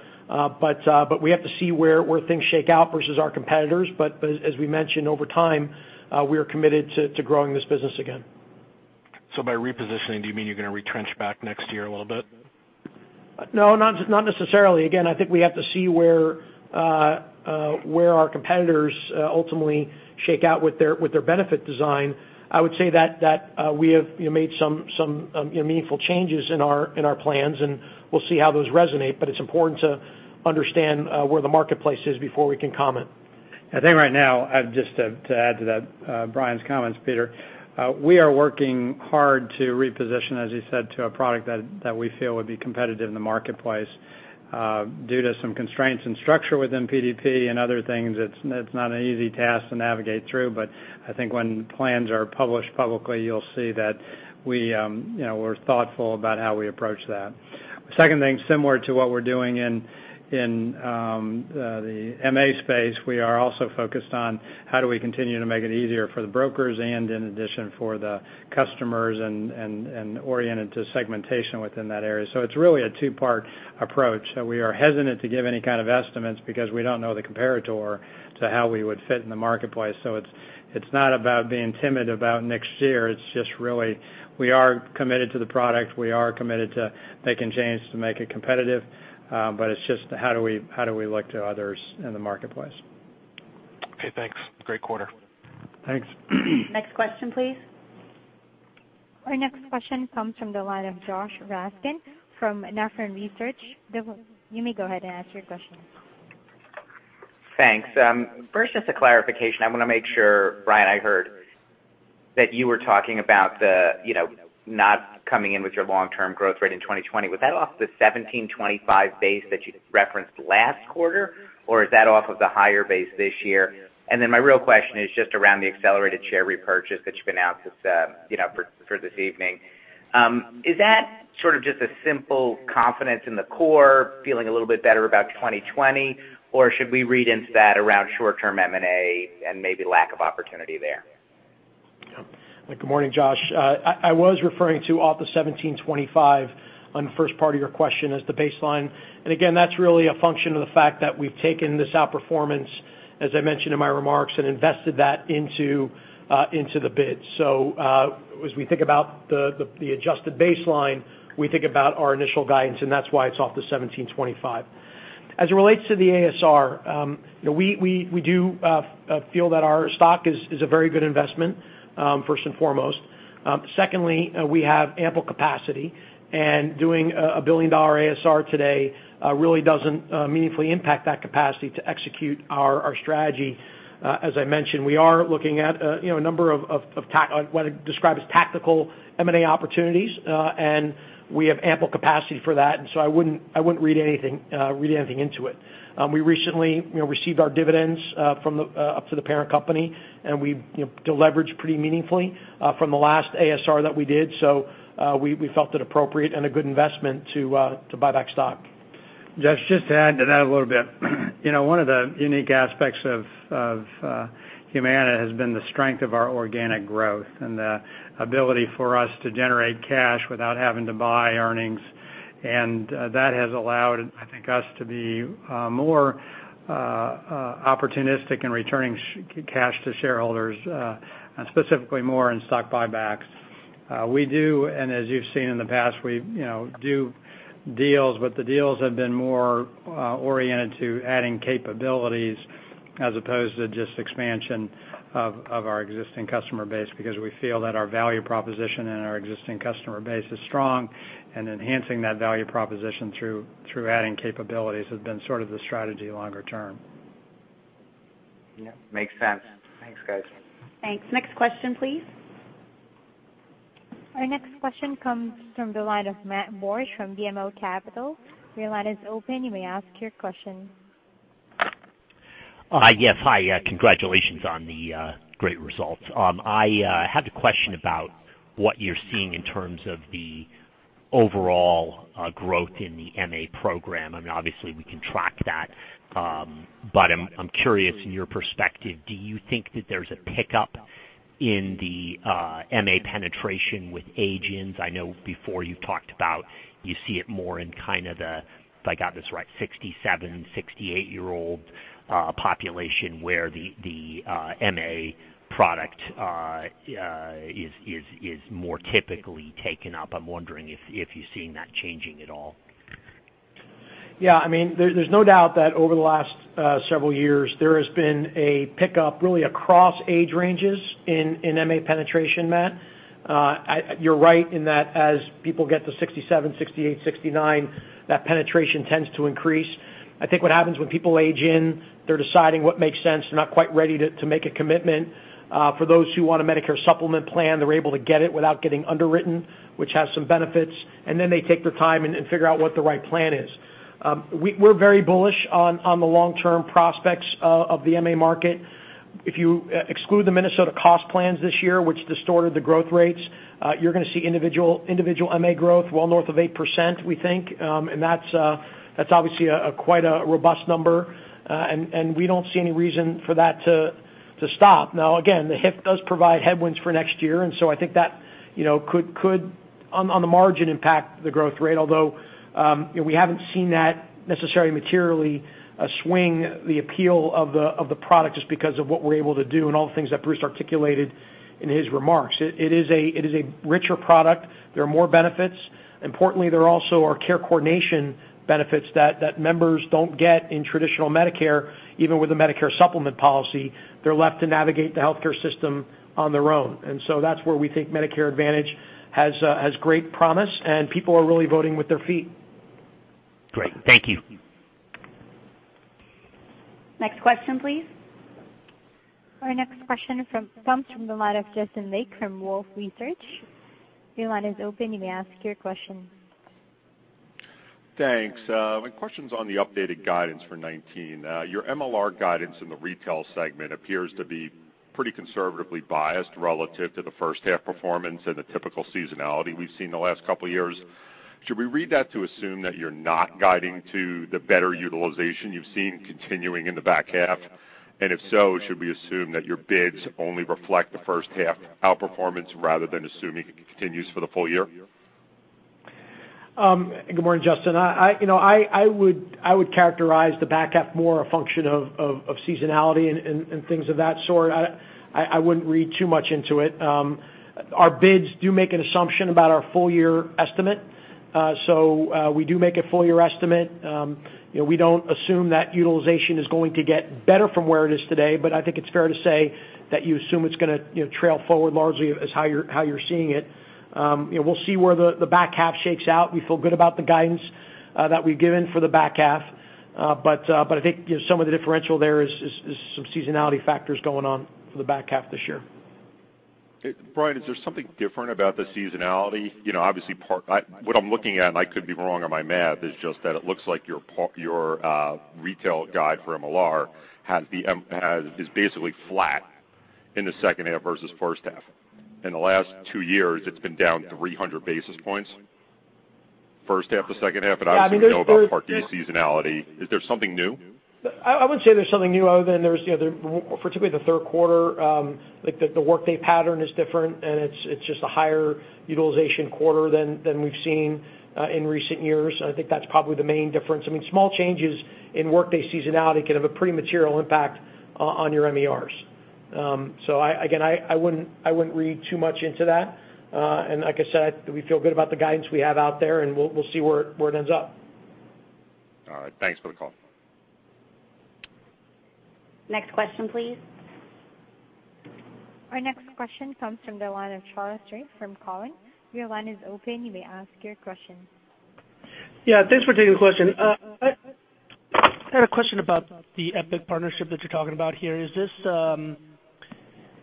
We have to see where things shake out versus our competitors. As we mentioned, over time, we are committed to growing this business again. By repositioning, do you mean you're going to retrench back next year a little bit? No, not necessarily. Again, I think we have to see where our competitors ultimately shake out with their benefit design. I would say that we have made some meaningful changes in our plans, and we'll see how those resonate, but it's important to understand where the marketplace is before we can comment. I think right now, just to add to that, Brian's comments, Peter, we are working hard to reposition, as you said, to a product that we feel would be competitive in the marketplace. Due to some constraints in structure within PDP and other things, it's not an easy task to navigate through, but I think when plans are published publicly, you'll see that we're thoughtful about how we approach that. Second thing, similar to what we're doing in the MA space, we are also focused on how do we continue to make it easier for the brokers and in addition for the customers and oriented to segmentation within that area. It's really a two-part approach. We are hesitant to give any kind of estimates because we don't know the comparator to how we would fit in the marketplace. It's not about being timid about next year, it's just really, we are committed to the product. We are committed to making changes to make it competitive. It's just how do we look to others in the marketplace? Okay, thanks. Great quarter. Thanks. Next question, please. Our next question comes from the line of Josh Raskin from Nephron Research. You may go ahead and ask your question. Thanks. First, just a clarification. I want to make sure, Brian, I heard that you were talking about not coming in with your long-term growth rate in 2020. Was that off the $17.25 base that you referenced last quarter, or is that off of the higher base this year? My real question is just around the accelerated share repurchase that you've announced for this evening. Is that sort of just a simple confidence in the core, feeling a little bit better about 2020, or should we read into that around short-term M&A and maybe lack of opportunity there? Good morning, Josh. I was referring to off the $1,725 on the first part of your question as the baseline. Again, that's really a function of the fact that we've taken this outperformance, as I mentioned in my remarks, and invested that into the bid. As we think about the adjusted baseline, we think about our initial guidance, and that's why it's off the $1,725. As it relates to the ASR, we do feel that our stock is a very good investment, first and foremost. Secondly, we have ample capacity, and doing a billion-dollar ASR today really doesn't meaningfully impact that capacity to execute our strategy. As I mentioned, we are looking at a number of what I describe as tactical M&A opportunities, and we have ample capacity for that. I wouldn't read anything into it. We recently received our dividends up to the parent company, and we de-leveraged pretty meaningfully from the last ASR that we did. We felt it appropriate and a good investment to buy back stock. Josh, just to add to that a little bit. One of the unique aspects of Humana has been the strength of our organic growth and the ability for us to generate cash without having to buy earnings. That has allowed, I think, us to be more opportunistic in returning cash to shareholders, specifically more in stock buybacks. We do, and as you've seen in the past, we do deals, but the deals have been more oriented to adding capabilities as opposed to just expansion of our existing customer base, because we feel that our value proposition and our existing customer base is strong, and enhancing that value proposition through adding capabilities has been sort of the strategy longer term. Yeah. Makes sense. Thanks, guys. Thanks. Next question, please. Our next question comes from the line of Matt Borsch from BMO Capital. Your line is open. You may ask your question. Yes, hi. Congratulations on the great results. I have a question about what you're seeing in terms of the overall growth in the MA program. I mean, obviously, we can track that, but I'm curious, in your perspective, do you think that there's a pickup in the MA penetration with agents, I know before you talked about you see it more in kind of the, if I got this right, 67, 68-year-old population where the MA product is more typically taken up. I'm wondering if you're seeing that changing at all. There's no doubt that over the last several years, there has been a pickup really across age ranges in MA penetration, Matt. You're right in that as people get to 67, 68, 69, that penetration tends to increase. I think what happens when people age in, they're deciding what makes sense. They're not quite ready to make a commitment. For those who want a Medicare supplement plan, they're able to get it without getting underwritten, which has some benefits, and then they take their time and figure out what the right plan is. We're very bullish on the long-term prospects of the MA market. If you exclude the Minnesota cost plans this year, which distorted the growth rates, you're going to see individual MA growth well north of 8%, we think. That's obviously quite a robust number. We don't see any reason for that to stop. Again, the HIF does provide headwinds for next year. I think that could, on the margin, impact the growth rate, although we haven't seen that necessarily materially swing the appeal of the product just because of what we're able to do and all the things that Bruce articulated in his remarks. It is a richer product. There are more benefits. Importantly, there also are care coordination benefits that members don't get in traditional Medicare, even with a Medicare supplement policy. They're left to navigate the healthcare system on their own. That's where we think Medicare Advantage has great promise, and people are really voting with their feet. Great. Thank you. Next question, please. Our next question comes from the line of Justin Lake from Wolfe Research. Your line is open. You may ask your question. Thanks. My question's on the updated guidance for 2019. Your MLR guidance in the retail segment appears to be pretty conservatively biased relative to the first half performance and the typical seasonality we've seen the last couple of years. Should we read that to assume that you're not guiding to the better utilization you've seen continuing in the back half? If so, should we assume that your bids only reflect the first half outperformance rather than assuming it continues for the full year? Good morning, Justin. I would characterize the back half more a function of seasonality and things of that sort. I wouldn't read too much into it. Our bids do make an assumption about our full year estimate. We do make a full year estimate. We don't assume that utilization is going to get better from where it is today, but I think it's fair to say that you assume it's going to trail forward largely as how you're seeing it. We'll see where the back half shakes out. We feel good about the guidance that we've given for the back half. I think some of the differential there is some seasonality factors going on for the back half of this year. Brian, is there something different about the seasonality? Obviously, what I am looking at, and I could be wrong on my math, is just that it looks like your retail guide for MLR is basically flat in the second half versus first half. In the last two years, it has been down 300 basis points first half to second half, and obviously we know about Part D seasonality. Is there something new? I wouldn't say there's something new other than, particularly the third quarter, the workday pattern is different, and it's just a higher utilization quarter than we've seen in recent years. I think that's probably the main difference. Small changes in workday seasonality can have a pretty material impact on your MLRs. Again, I wouldn't read too much into that. Like I said, we feel good about the guidance we have out there, and we'll see where it ends up. All right. Thanks for the call. Next question, please. Our next question comes from the line of Charles Rhyee from Cowen. Your line is open. You may ask your question. Yeah. Thanks for taking the question. I had a question about the Epic partnership that you're talking about here.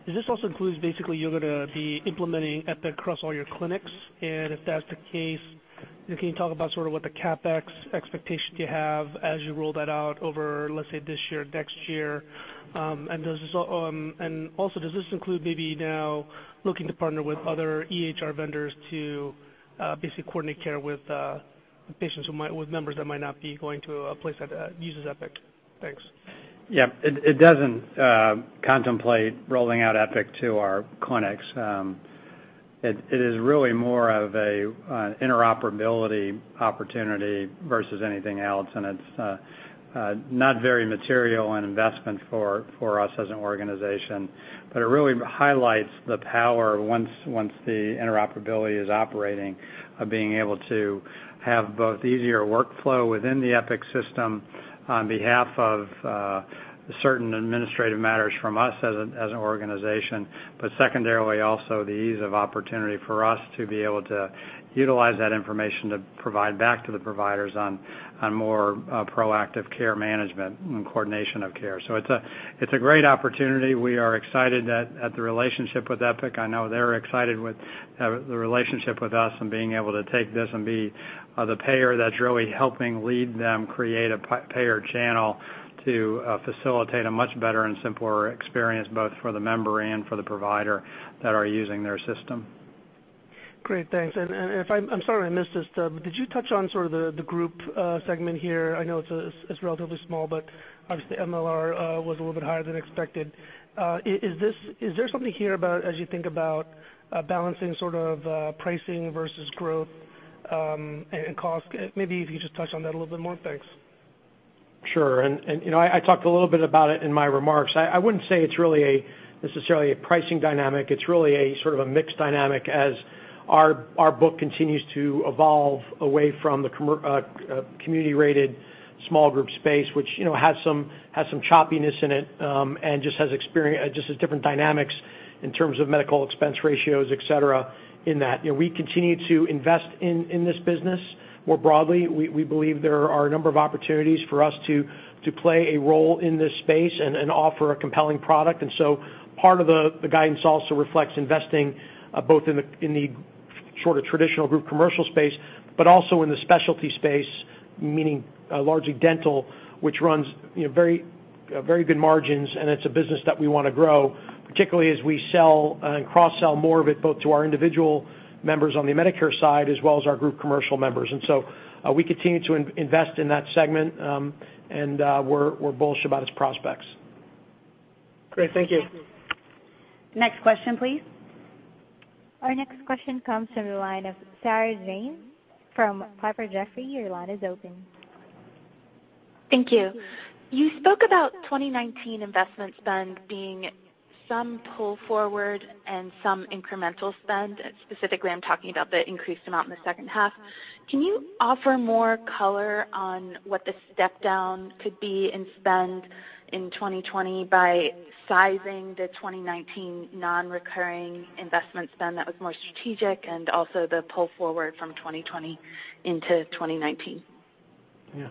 Does this also include basically you're going to be implementing Epic across all your clinics? If that's the case, can you talk about sort of what the CapEx expectation you have as you roll that out over, let's say, this year, next year? Also, does this include maybe now looking to partner with other EHR vendors to basically coordinate care with members that might not be going to a place that uses Epic? Thanks. It doesn't contemplate rolling out Epic to our clinics. It is really more of an interoperability opportunity versus anything else, and it's not very material an investment for us as an organization. It really highlights the power once the interoperability is operating, of being able to have both easier workflow within the Epic system on behalf of certain administrative matters from us as an organization, but secondarily, also the ease of opportunity for us to be able to utilize that information to provide back to the providers on more proactive care management and coordination of care. It's a great opportunity. We are excited at the relationship with Epic. I know they're excited with the relationship with us and being able to take this and be the payer that's really helping lead them create a payer channel to facilitate a much better and simpler experience, both for the member and for the provider that are using their system. Great. Thanks. I'm sorry I missed this, but did you touch on sort of the group segment here? I know it's relatively small, but obviously MLR was a little bit higher than expected. Is there something here about as you think about balancing sort of pricing versus growth and cost? Maybe if you could just touch on that a little bit more. Thanks. Sure. I talked a little bit about it in my remarks. I wouldn't say it's really necessarily a pricing dynamic. It's really a sort of a mixed dynamic as our book continues to evolve away from the community-rated small group space, which has some choppiness in it and just has different dynamics in terms of medical expense ratios, et cetera, in that. We continue to invest in this business more broadly. We believe there are a number of opportunities for us to play a role in this space and offer a compelling product. Part of the guidance also reflects investing both in the sort of traditional group commercial space, but also in the specialty space, meaning largely dental, which runs very good margins, and it's a business that we want to grow, particularly as we sell and cross-sell more of it, both to our individual members on the Medicare side as well as our group commercial members. We continue to invest in that segment, and we're bullish about its prospects. Great. Thank you. Next question, please. Our next question comes from the line of Sarah James from Piper Jaffray. Your line is open. Thank you. You spoke about 2019 investment spend being some pull forward and some incremental spend. Specifically, I'm talking about the increased amount in the second half. Can you offer more color on what the step-down could be in spend in 2020 by sizing the 2019 non-recurring investment spend that was more strategic and also the pull forward from 2020 into 2019? Yeah.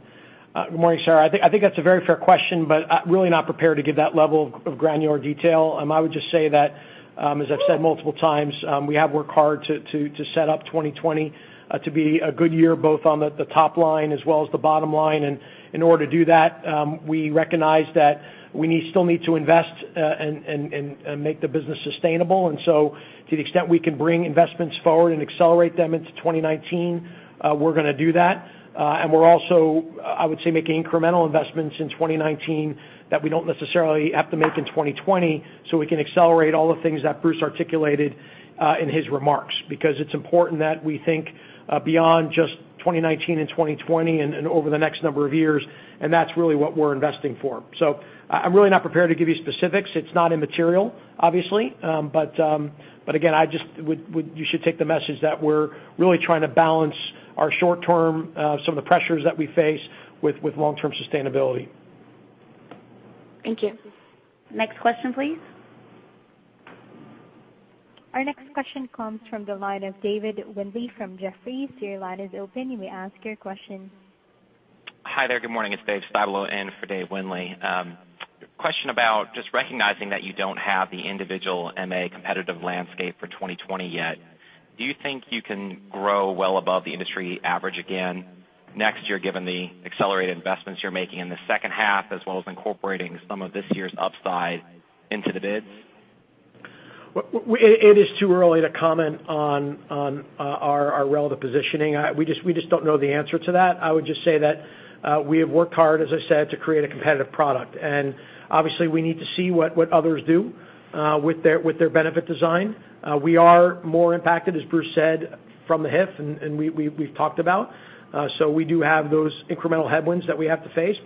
Good morning, Sarah. I think that's a very fair question, but really not prepared to give that level of granular detail. I would just say that, as I've said multiple times, we have worked hard to set up 2020 to be a good year, both on the top line as well as the bottom line. In order to do that, we recognize that we still need to invest and make the business sustainable. To the extent we can bring investments forward and accelerate them into 2019, we're going to do that. We're also, I would say, making incremental investments in 2019 that we don't necessarily have to make in 2020, so we can accelerate all the things that Bruce articulated in his remarks, because it's important that we think beyond just 2019 and 2020 and over the next number of years, and that's really what we're investing for. I'm really not prepared to give you specifics. It's not immaterial, obviously. Again, you should take the message that we're really trying to balance our short-term, some of the pressures that we face with long-term sustainability. Thank you. Next question, please. Our next question comes from the line of David Windley from Jefferies. Your line is open. You may ask your question. Hi there. Good morning. It's Dave Styblo in for David Windley. Question about just recognizing that you don't have the individual MA competitive landscape for 2020 yet. Do you think you can grow well above the industry average again next year, given the accelerated investments you're making in the second half, as well as incorporating some of this year's upside into the bids? It is too early to comment on our relative positioning. We just don't know the answer to that. I would just say that we have worked hard, as I said, to create a competitive product. Obviously, we need to see what others do with their benefit design. We are more impacted, as Bruce said, from the HIF, and we've talked about. We do have those incremental headwinds that we have to face.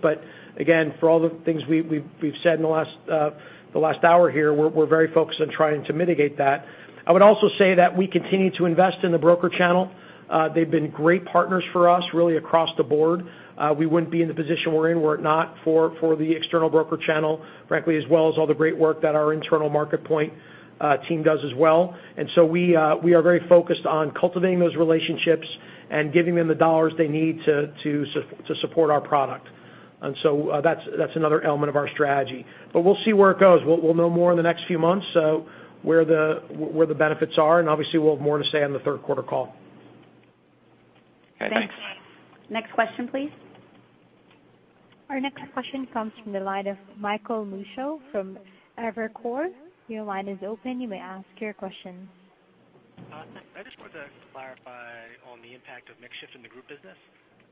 Again, for all the things we've said in the last hour here, we're very focused on trying to mitigate that. I would also say that we continue to invest in the broker channel. They've been great partners for us, really across the board. We wouldn't be in the position we're in were it not for the external broker channel, frankly, as well as all the great work that our internal MarketPoint team does as well. We are very focused on cultivating those relationships and giving them the dollars they need to support our product. That's another element of our strategy. We'll see where it goes. We'll know more in the next few months, so where the benefits are, and obviously, we'll have more to say on the third quarter call. Okay, thanks. Next question, please. Our next question comes from the line of Michael Newshel from Evercore. Your line is open. You may ask your question. I just wanted to clarify on the impact of mix shift in the group business.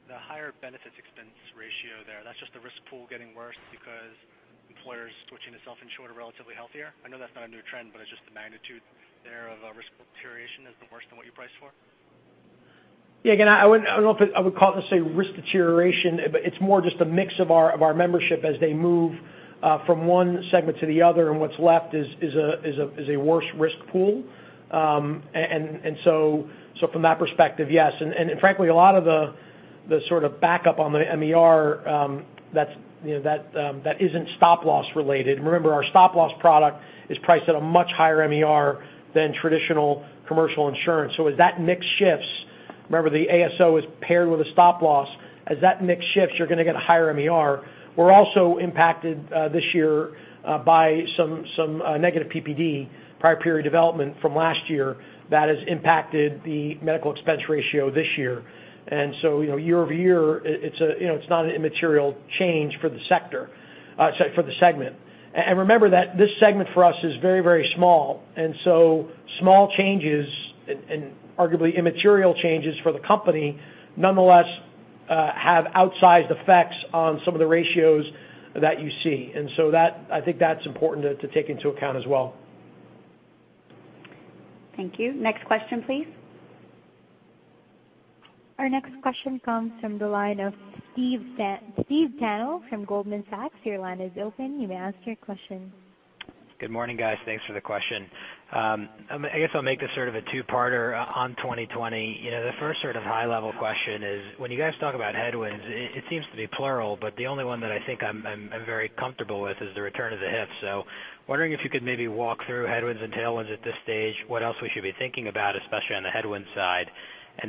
The higher benefits expense ratio there, that's just the risk pool getting worse because employers switching to self-insured are relatively healthier? I know that's not a new trend, but it's just the magnitude there of risk deterioration has been worse than what you priced for? Yeah, again, I don't know if I would call it necessarily risk deterioration, but it's more just a mix of our membership as they move from one segment to the other, and what's left is a worse risk pool. From that perspective, yes. Frankly, a lot of the sort of backup on the MLR that isn't stop-loss related. Remember, our stop-loss product is priced at a much higher MLR than traditional commercial insurance. As that mix shifts, remember, the ASO is paired with a stop loss. As that mix shifts, you're going to get a higher MLR. We're also impacted this year by some negative PPD, prior period development, from last year that has impacted the medical expense ratio this year. Year-over-year, it's not an immaterial change for the sector, sorry, for the segment. Remember that this segment for us is very, very small. Small changes and arguably immaterial changes for the company, nonetheless, have outsized effects on some of the ratios that you see. I think that's important to take into account as well. Thank you. Next question, please. Our next question comes from the line of Steve Tanal from Goldman Sachs. Your line is open. You may ask your question. Good morning, guys. Thanks for the question. I guess I'll make this sort of a two-parter on 2020. The first sort of high level question is, when you guys talk about headwinds, it seems to be plural, but the only one that I think I'm very comfortable with is the return of the HIF. Wondering if you could maybe walk through headwinds and tailwinds at this stage, what else we should be thinking about, especially on the headwinds side.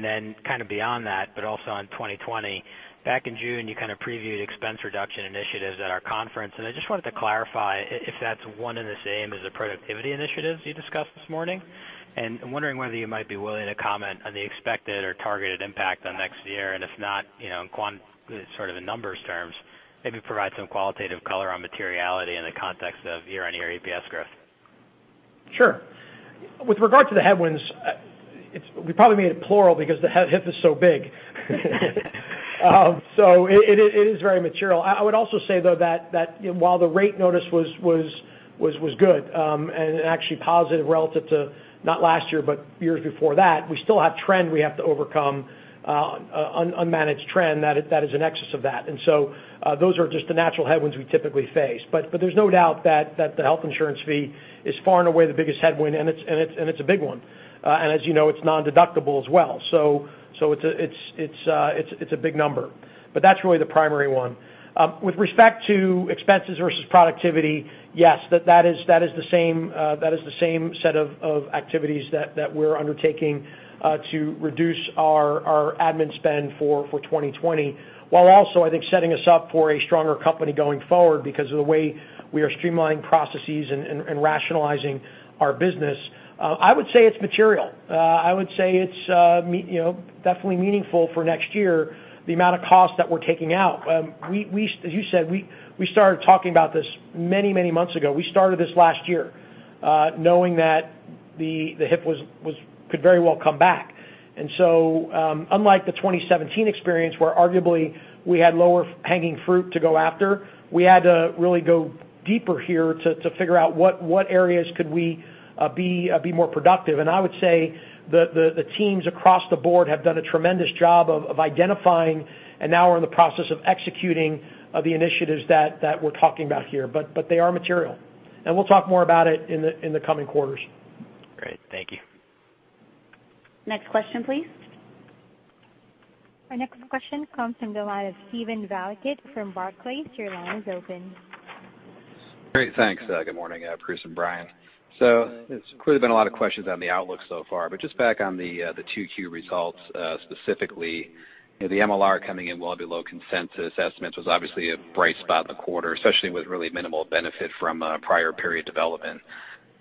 Then kind of beyond that, but also on 2020, back in June, you kind of previewed expense reduction initiatives at our conference, and I just wanted to clarify if that's one and the same as the productivity initiatives you discussed this morning. I'm wondering whether you might be willing to comment on the expected or targeted impact on next year, and if not, in sort of numbers terms, maybe provide some qualitative color on materiality in the context of year-on-year EPS growth. Sure. With regard to the headwinds, we probably made it plural because the HIF is so big. It is very material. I would also say, though, that while the rate notice was good, and actually positive relative to not last year, but years before that, we still have trend we have to overcome, unmanaged trend, that is in excess of that. Those are just the natural headwinds we typically face. There's no doubt that the health insurance fee is far and away the biggest headwind, and it's a big one. As you know, it's nondeductible as well. It's a big number. That's really the primary one. With respect to expenses versus productivity, yes, that is the same set of activities that we're undertaking to reduce our admin spend for 2020, while also, I think, setting us up for a stronger company going forward because of the way we are streamlining processes and rationalizing our business. I would say it's material. I would say it's definitely meaningful for next year, the amount of cost that we're taking out. As you said, we started talking about this many, many months ago. We started this last year, knowing that the HIF could very well come back. Unlike the 2017 experience, where arguably we had lower hanging fruit to go after, we had to really go deeper here to figure out what areas could we be more productive. I would say the teams across the board have done a tremendous job of identifying, and now we're in the process of executing the initiatives that we're talking about here. They are material. We'll talk more about it in the coming quarters. Great. Thank you. Next question, please. Our next question comes from the line of Steven Valiquette from Barclays. Your line is open. Great. Thanks. Good morning, Bruce and Brian. It's clearly been a lot of questions on the outlook so far, but just back on the 2Q results, specifically, the MLR coming in well below consensus estimates was obviously a bright spot in the quarter, especially with really minimal benefit from prior period development.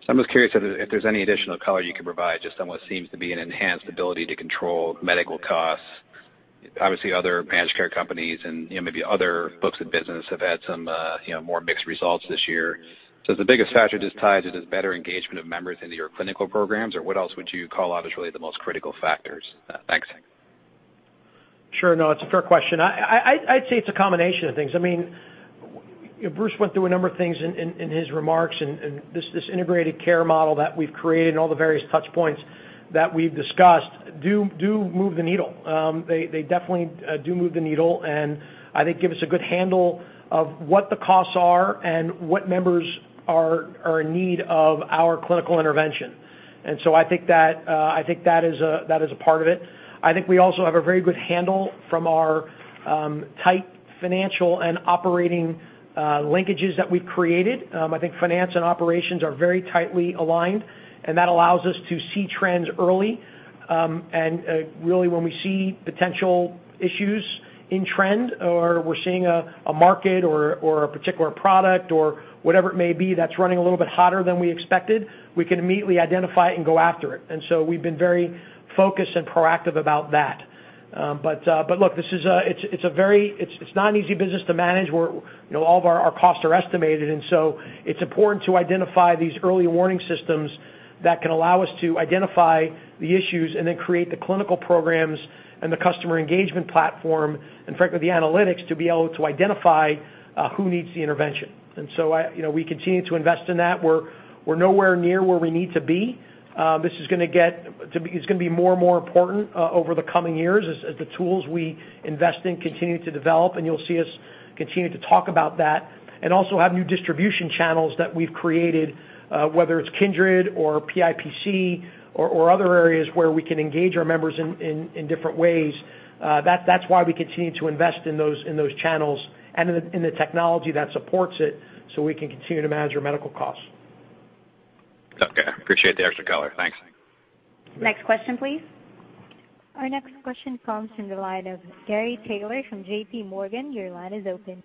I'm just curious if there's any additional color you can provide, just on what seems to be an enhanced ability to control medical costs. Obviously, other managed care companies and maybe other books of business have had some more mixed results this year. Is the biggest factor just tied to this better engagement of members into your clinical programs, or what else would you call out as really the most critical factors? Thanks. Sure. It's a fair question. I'd say it's a combination of things. Bruce went through a number of things in his remarks, and this integrated care model that we've created and all the various touchpoints that we've discussed do move the needle. They definitely do move the needle and I think give us a good handle of what the costs are and what members are in need of our clinical intervention. I think that is a part of it. I think we also have a very good handle from our tight financial and operating linkages that we've created. I think finance and operations are very tightly aligned, and that allows us to see trends early. Really when we see potential issues in trend, or we're seeing a market or a particular product or whatever it may be that's running a little bit hotter than we expected, we can immediately identify it and go after it. We've been very focused and proactive about that. Look, it's not an easy business to manage, where all of our costs are estimated, and so it's important to identify these early warning systems that can allow us to identify the issues and then create the clinical programs and the customer engagement platform, and frankly, the analytics to be able to identify who needs the intervention. We continue to invest in that. We're nowhere near where we need to be. This is going to be more and more important over the coming years as the tools we invest in continue to develop, and you'll see us continue to talk about that. Also have new distribution channels that we've created, whether it's Kindred at Home or PIPC or other areas where we can engage our members in different ways. That's why we continue to invest in those channels and in the technology that supports it, so we can continue to manage our medical costs. Okay. I appreciate the extra color. Thanks. Next question, please. Our next question comes from the line of Gary Taylor from JPMorgan. Your line is open.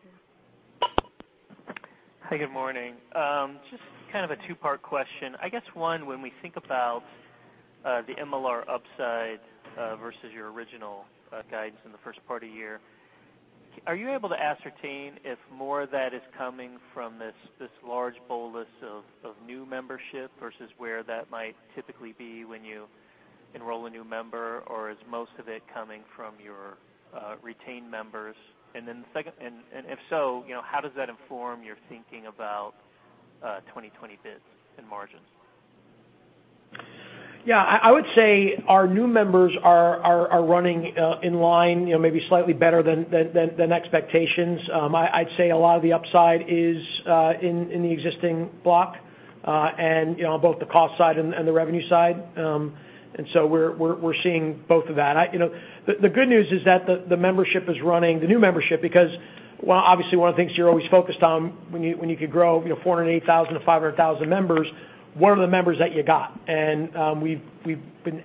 Hi, good morning. Kind of a two-part question. I guess one, when we think about the MLR upside versus your original guidance in the first part of the year, are you able to ascertain if more of that is coming from this large bolus of new membership versus where that might typically be when you enroll a new member? Is most of it coming from your retained members? If so, how does that inform your thinking about 2020 bids and margins? Yeah, I would say our new members are running in line, maybe slightly better than expectations. I'd say a lot of the upside is in the existing block, on both the cost side and the revenue side. We're seeing both of that. The good news is that the membership is running, the new membership, because, obviously, one of the things you're always focused on when you could grow 480,000-500,000 members, what are the members that you got? We've been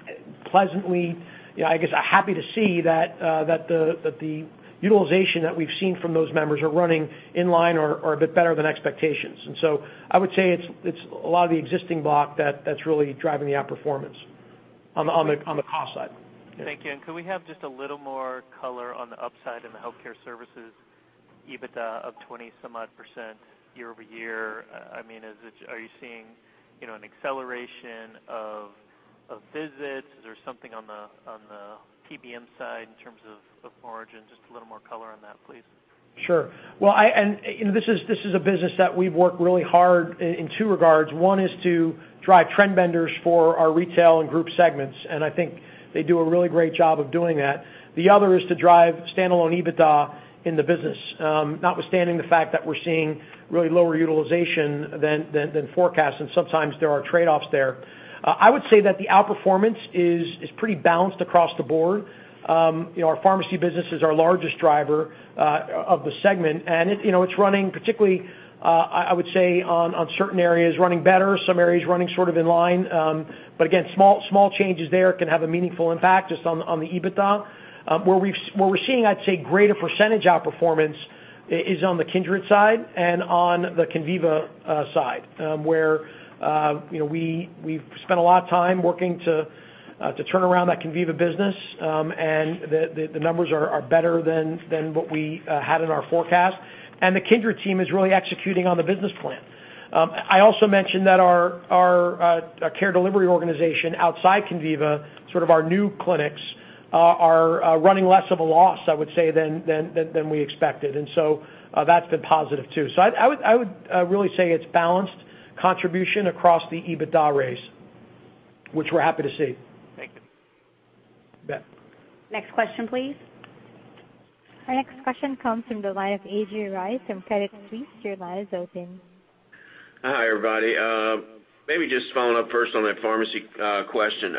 pleasantly, I guess, happy to see that the utilization that we've seen from those members are running in line or a bit better than expectations. I would say it's a lot of the existing block that's really driving the outperformance on the cost side. Thank you. Could we have just a little more color on the upside in the healthcare services EBITDA of 20-some-odd percent year-over-year? Are you seeing an acceleration of visits? Is there something on the PBM side in terms of margin? Just a little more color on that, please. Sure. Well, this is a business that we've worked really hard in two regards. One is to drive trend benders for our retail and group segments, and I think they do a really great job of doing that. The other is to drive standalone EBITDA in the business, notwithstanding the fact that we're seeing really lower utilization than forecast, and sometimes there are trade-offs there. I would say that the outperformance is pretty balanced across the board. Our pharmacy business is our largest driver of the segment, and it's running particularly, I would say, on certain areas running better, some areas running sort of in line. Again, small changes there can have a meaningful impact just on the EBITDA. Where we're seeing, I'd say, greater percentage outperformance is on the Kindred side and on the Conviva side, where we've spent a lot of time working to turn around that Conviva business, and the numbers are better than what we had in our forecast. The Kindred team is really executing on the business plan. I also mentioned that our care delivery organization outside Conviva, sort of our new clinics, are running less of a loss, I would say, than we expected. That's been positive, too. I would really say it's balanced contribution across the EBITDA base, which we're happy to see. Thank you. You bet. Next question, please. Our next question comes from the line of A.J. Rice from Credit Suisse. Your line is open. Hi, everybody. Just following up first on that pharmacy question.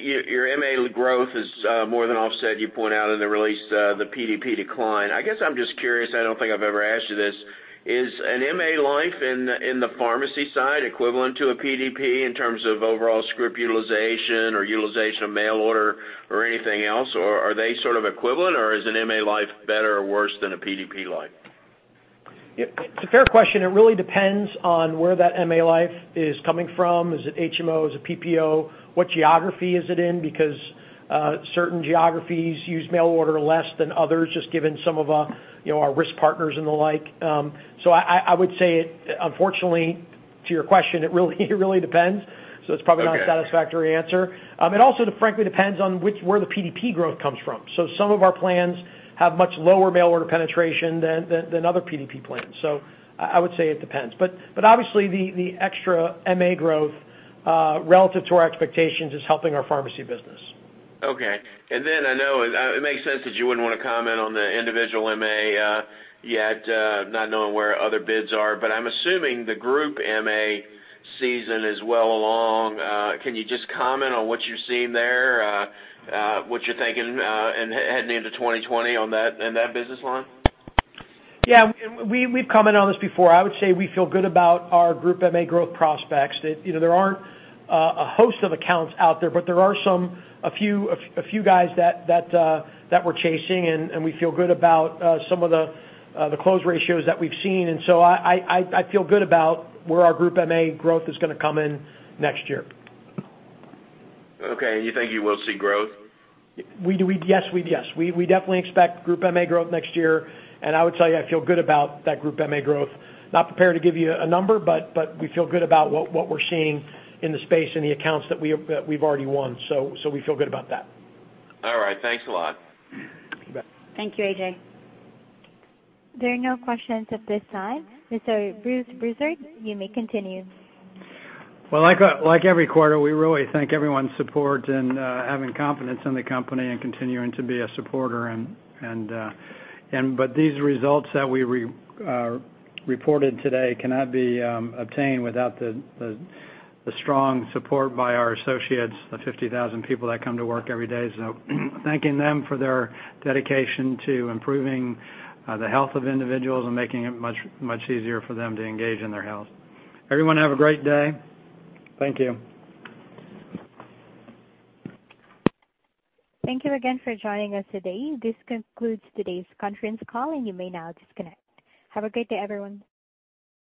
Your MA growth is more than offset, you point out in the release, the PDP decline. I guess I'm just curious, I don't think I've ever asked you this, is an MA life in the pharmacy side equivalent to a PDP in terms of overall script utilization or utilization of mail order or anything else? Or are they sort of equivalent or is an MA life better or worse than a PDP life? It's a fair question. It really depends on where that MA life is coming from. Is it HMO? Is it PPO? What geography is it in? Because certain geographies use mail order less than others, just given some of our risk partners and the like. I would say, unfortunately to your question, it really depends. It's probably not a satisfactory answer. Okay. It also, frankly, depends on where the PDP growth comes from. Some of our plans have much lower mail order penetration than other PDP plans. I would say it depends. Obviously the extra MA growth relative to our expectations is helping our pharmacy business. Okay. I know it makes sense that you wouldn't want to comment on the individual MA yet, not knowing where other bids are, but I'm assuming the group MA season is well along. Can you just comment on what you're seeing there, what you're thinking heading into 2020 in that business line? Yeah. We've commented on this before. I would say we feel good about our group MA growth prospects. There aren't a host of accounts out there, but there are a few guys that we're chasing, and we feel good about some of the close ratios that we've seen. I feel good about where our group MA growth is going to come in next year. Okay. You think you will see growth? Yes. We definitely expect group MA growth next year, and I would tell you I feel good about that group MA growth. Not prepared to give you a number, but we feel good about what we're seeing in the space in the accounts that we've already won. We feel good about that. All right. Thanks a lot. You bet. Thank you, A.J. There are no questions at this time. Mr. Bruce Broussard, you may continue. Well, like every quarter, we really thank everyone's support and having confidence in the company and continuing to be a supporter. These results that we reported today cannot be obtained without the strong support by our associates, the 50,000 people that come to work every day. Thanking them for their dedication to improving the health of individuals and making it much easier for them to engage in their health. Everyone have a great day. Thank you. Thank you again for joining us today. This concludes today's conference call, and you may now disconnect. Have a great day, everyone.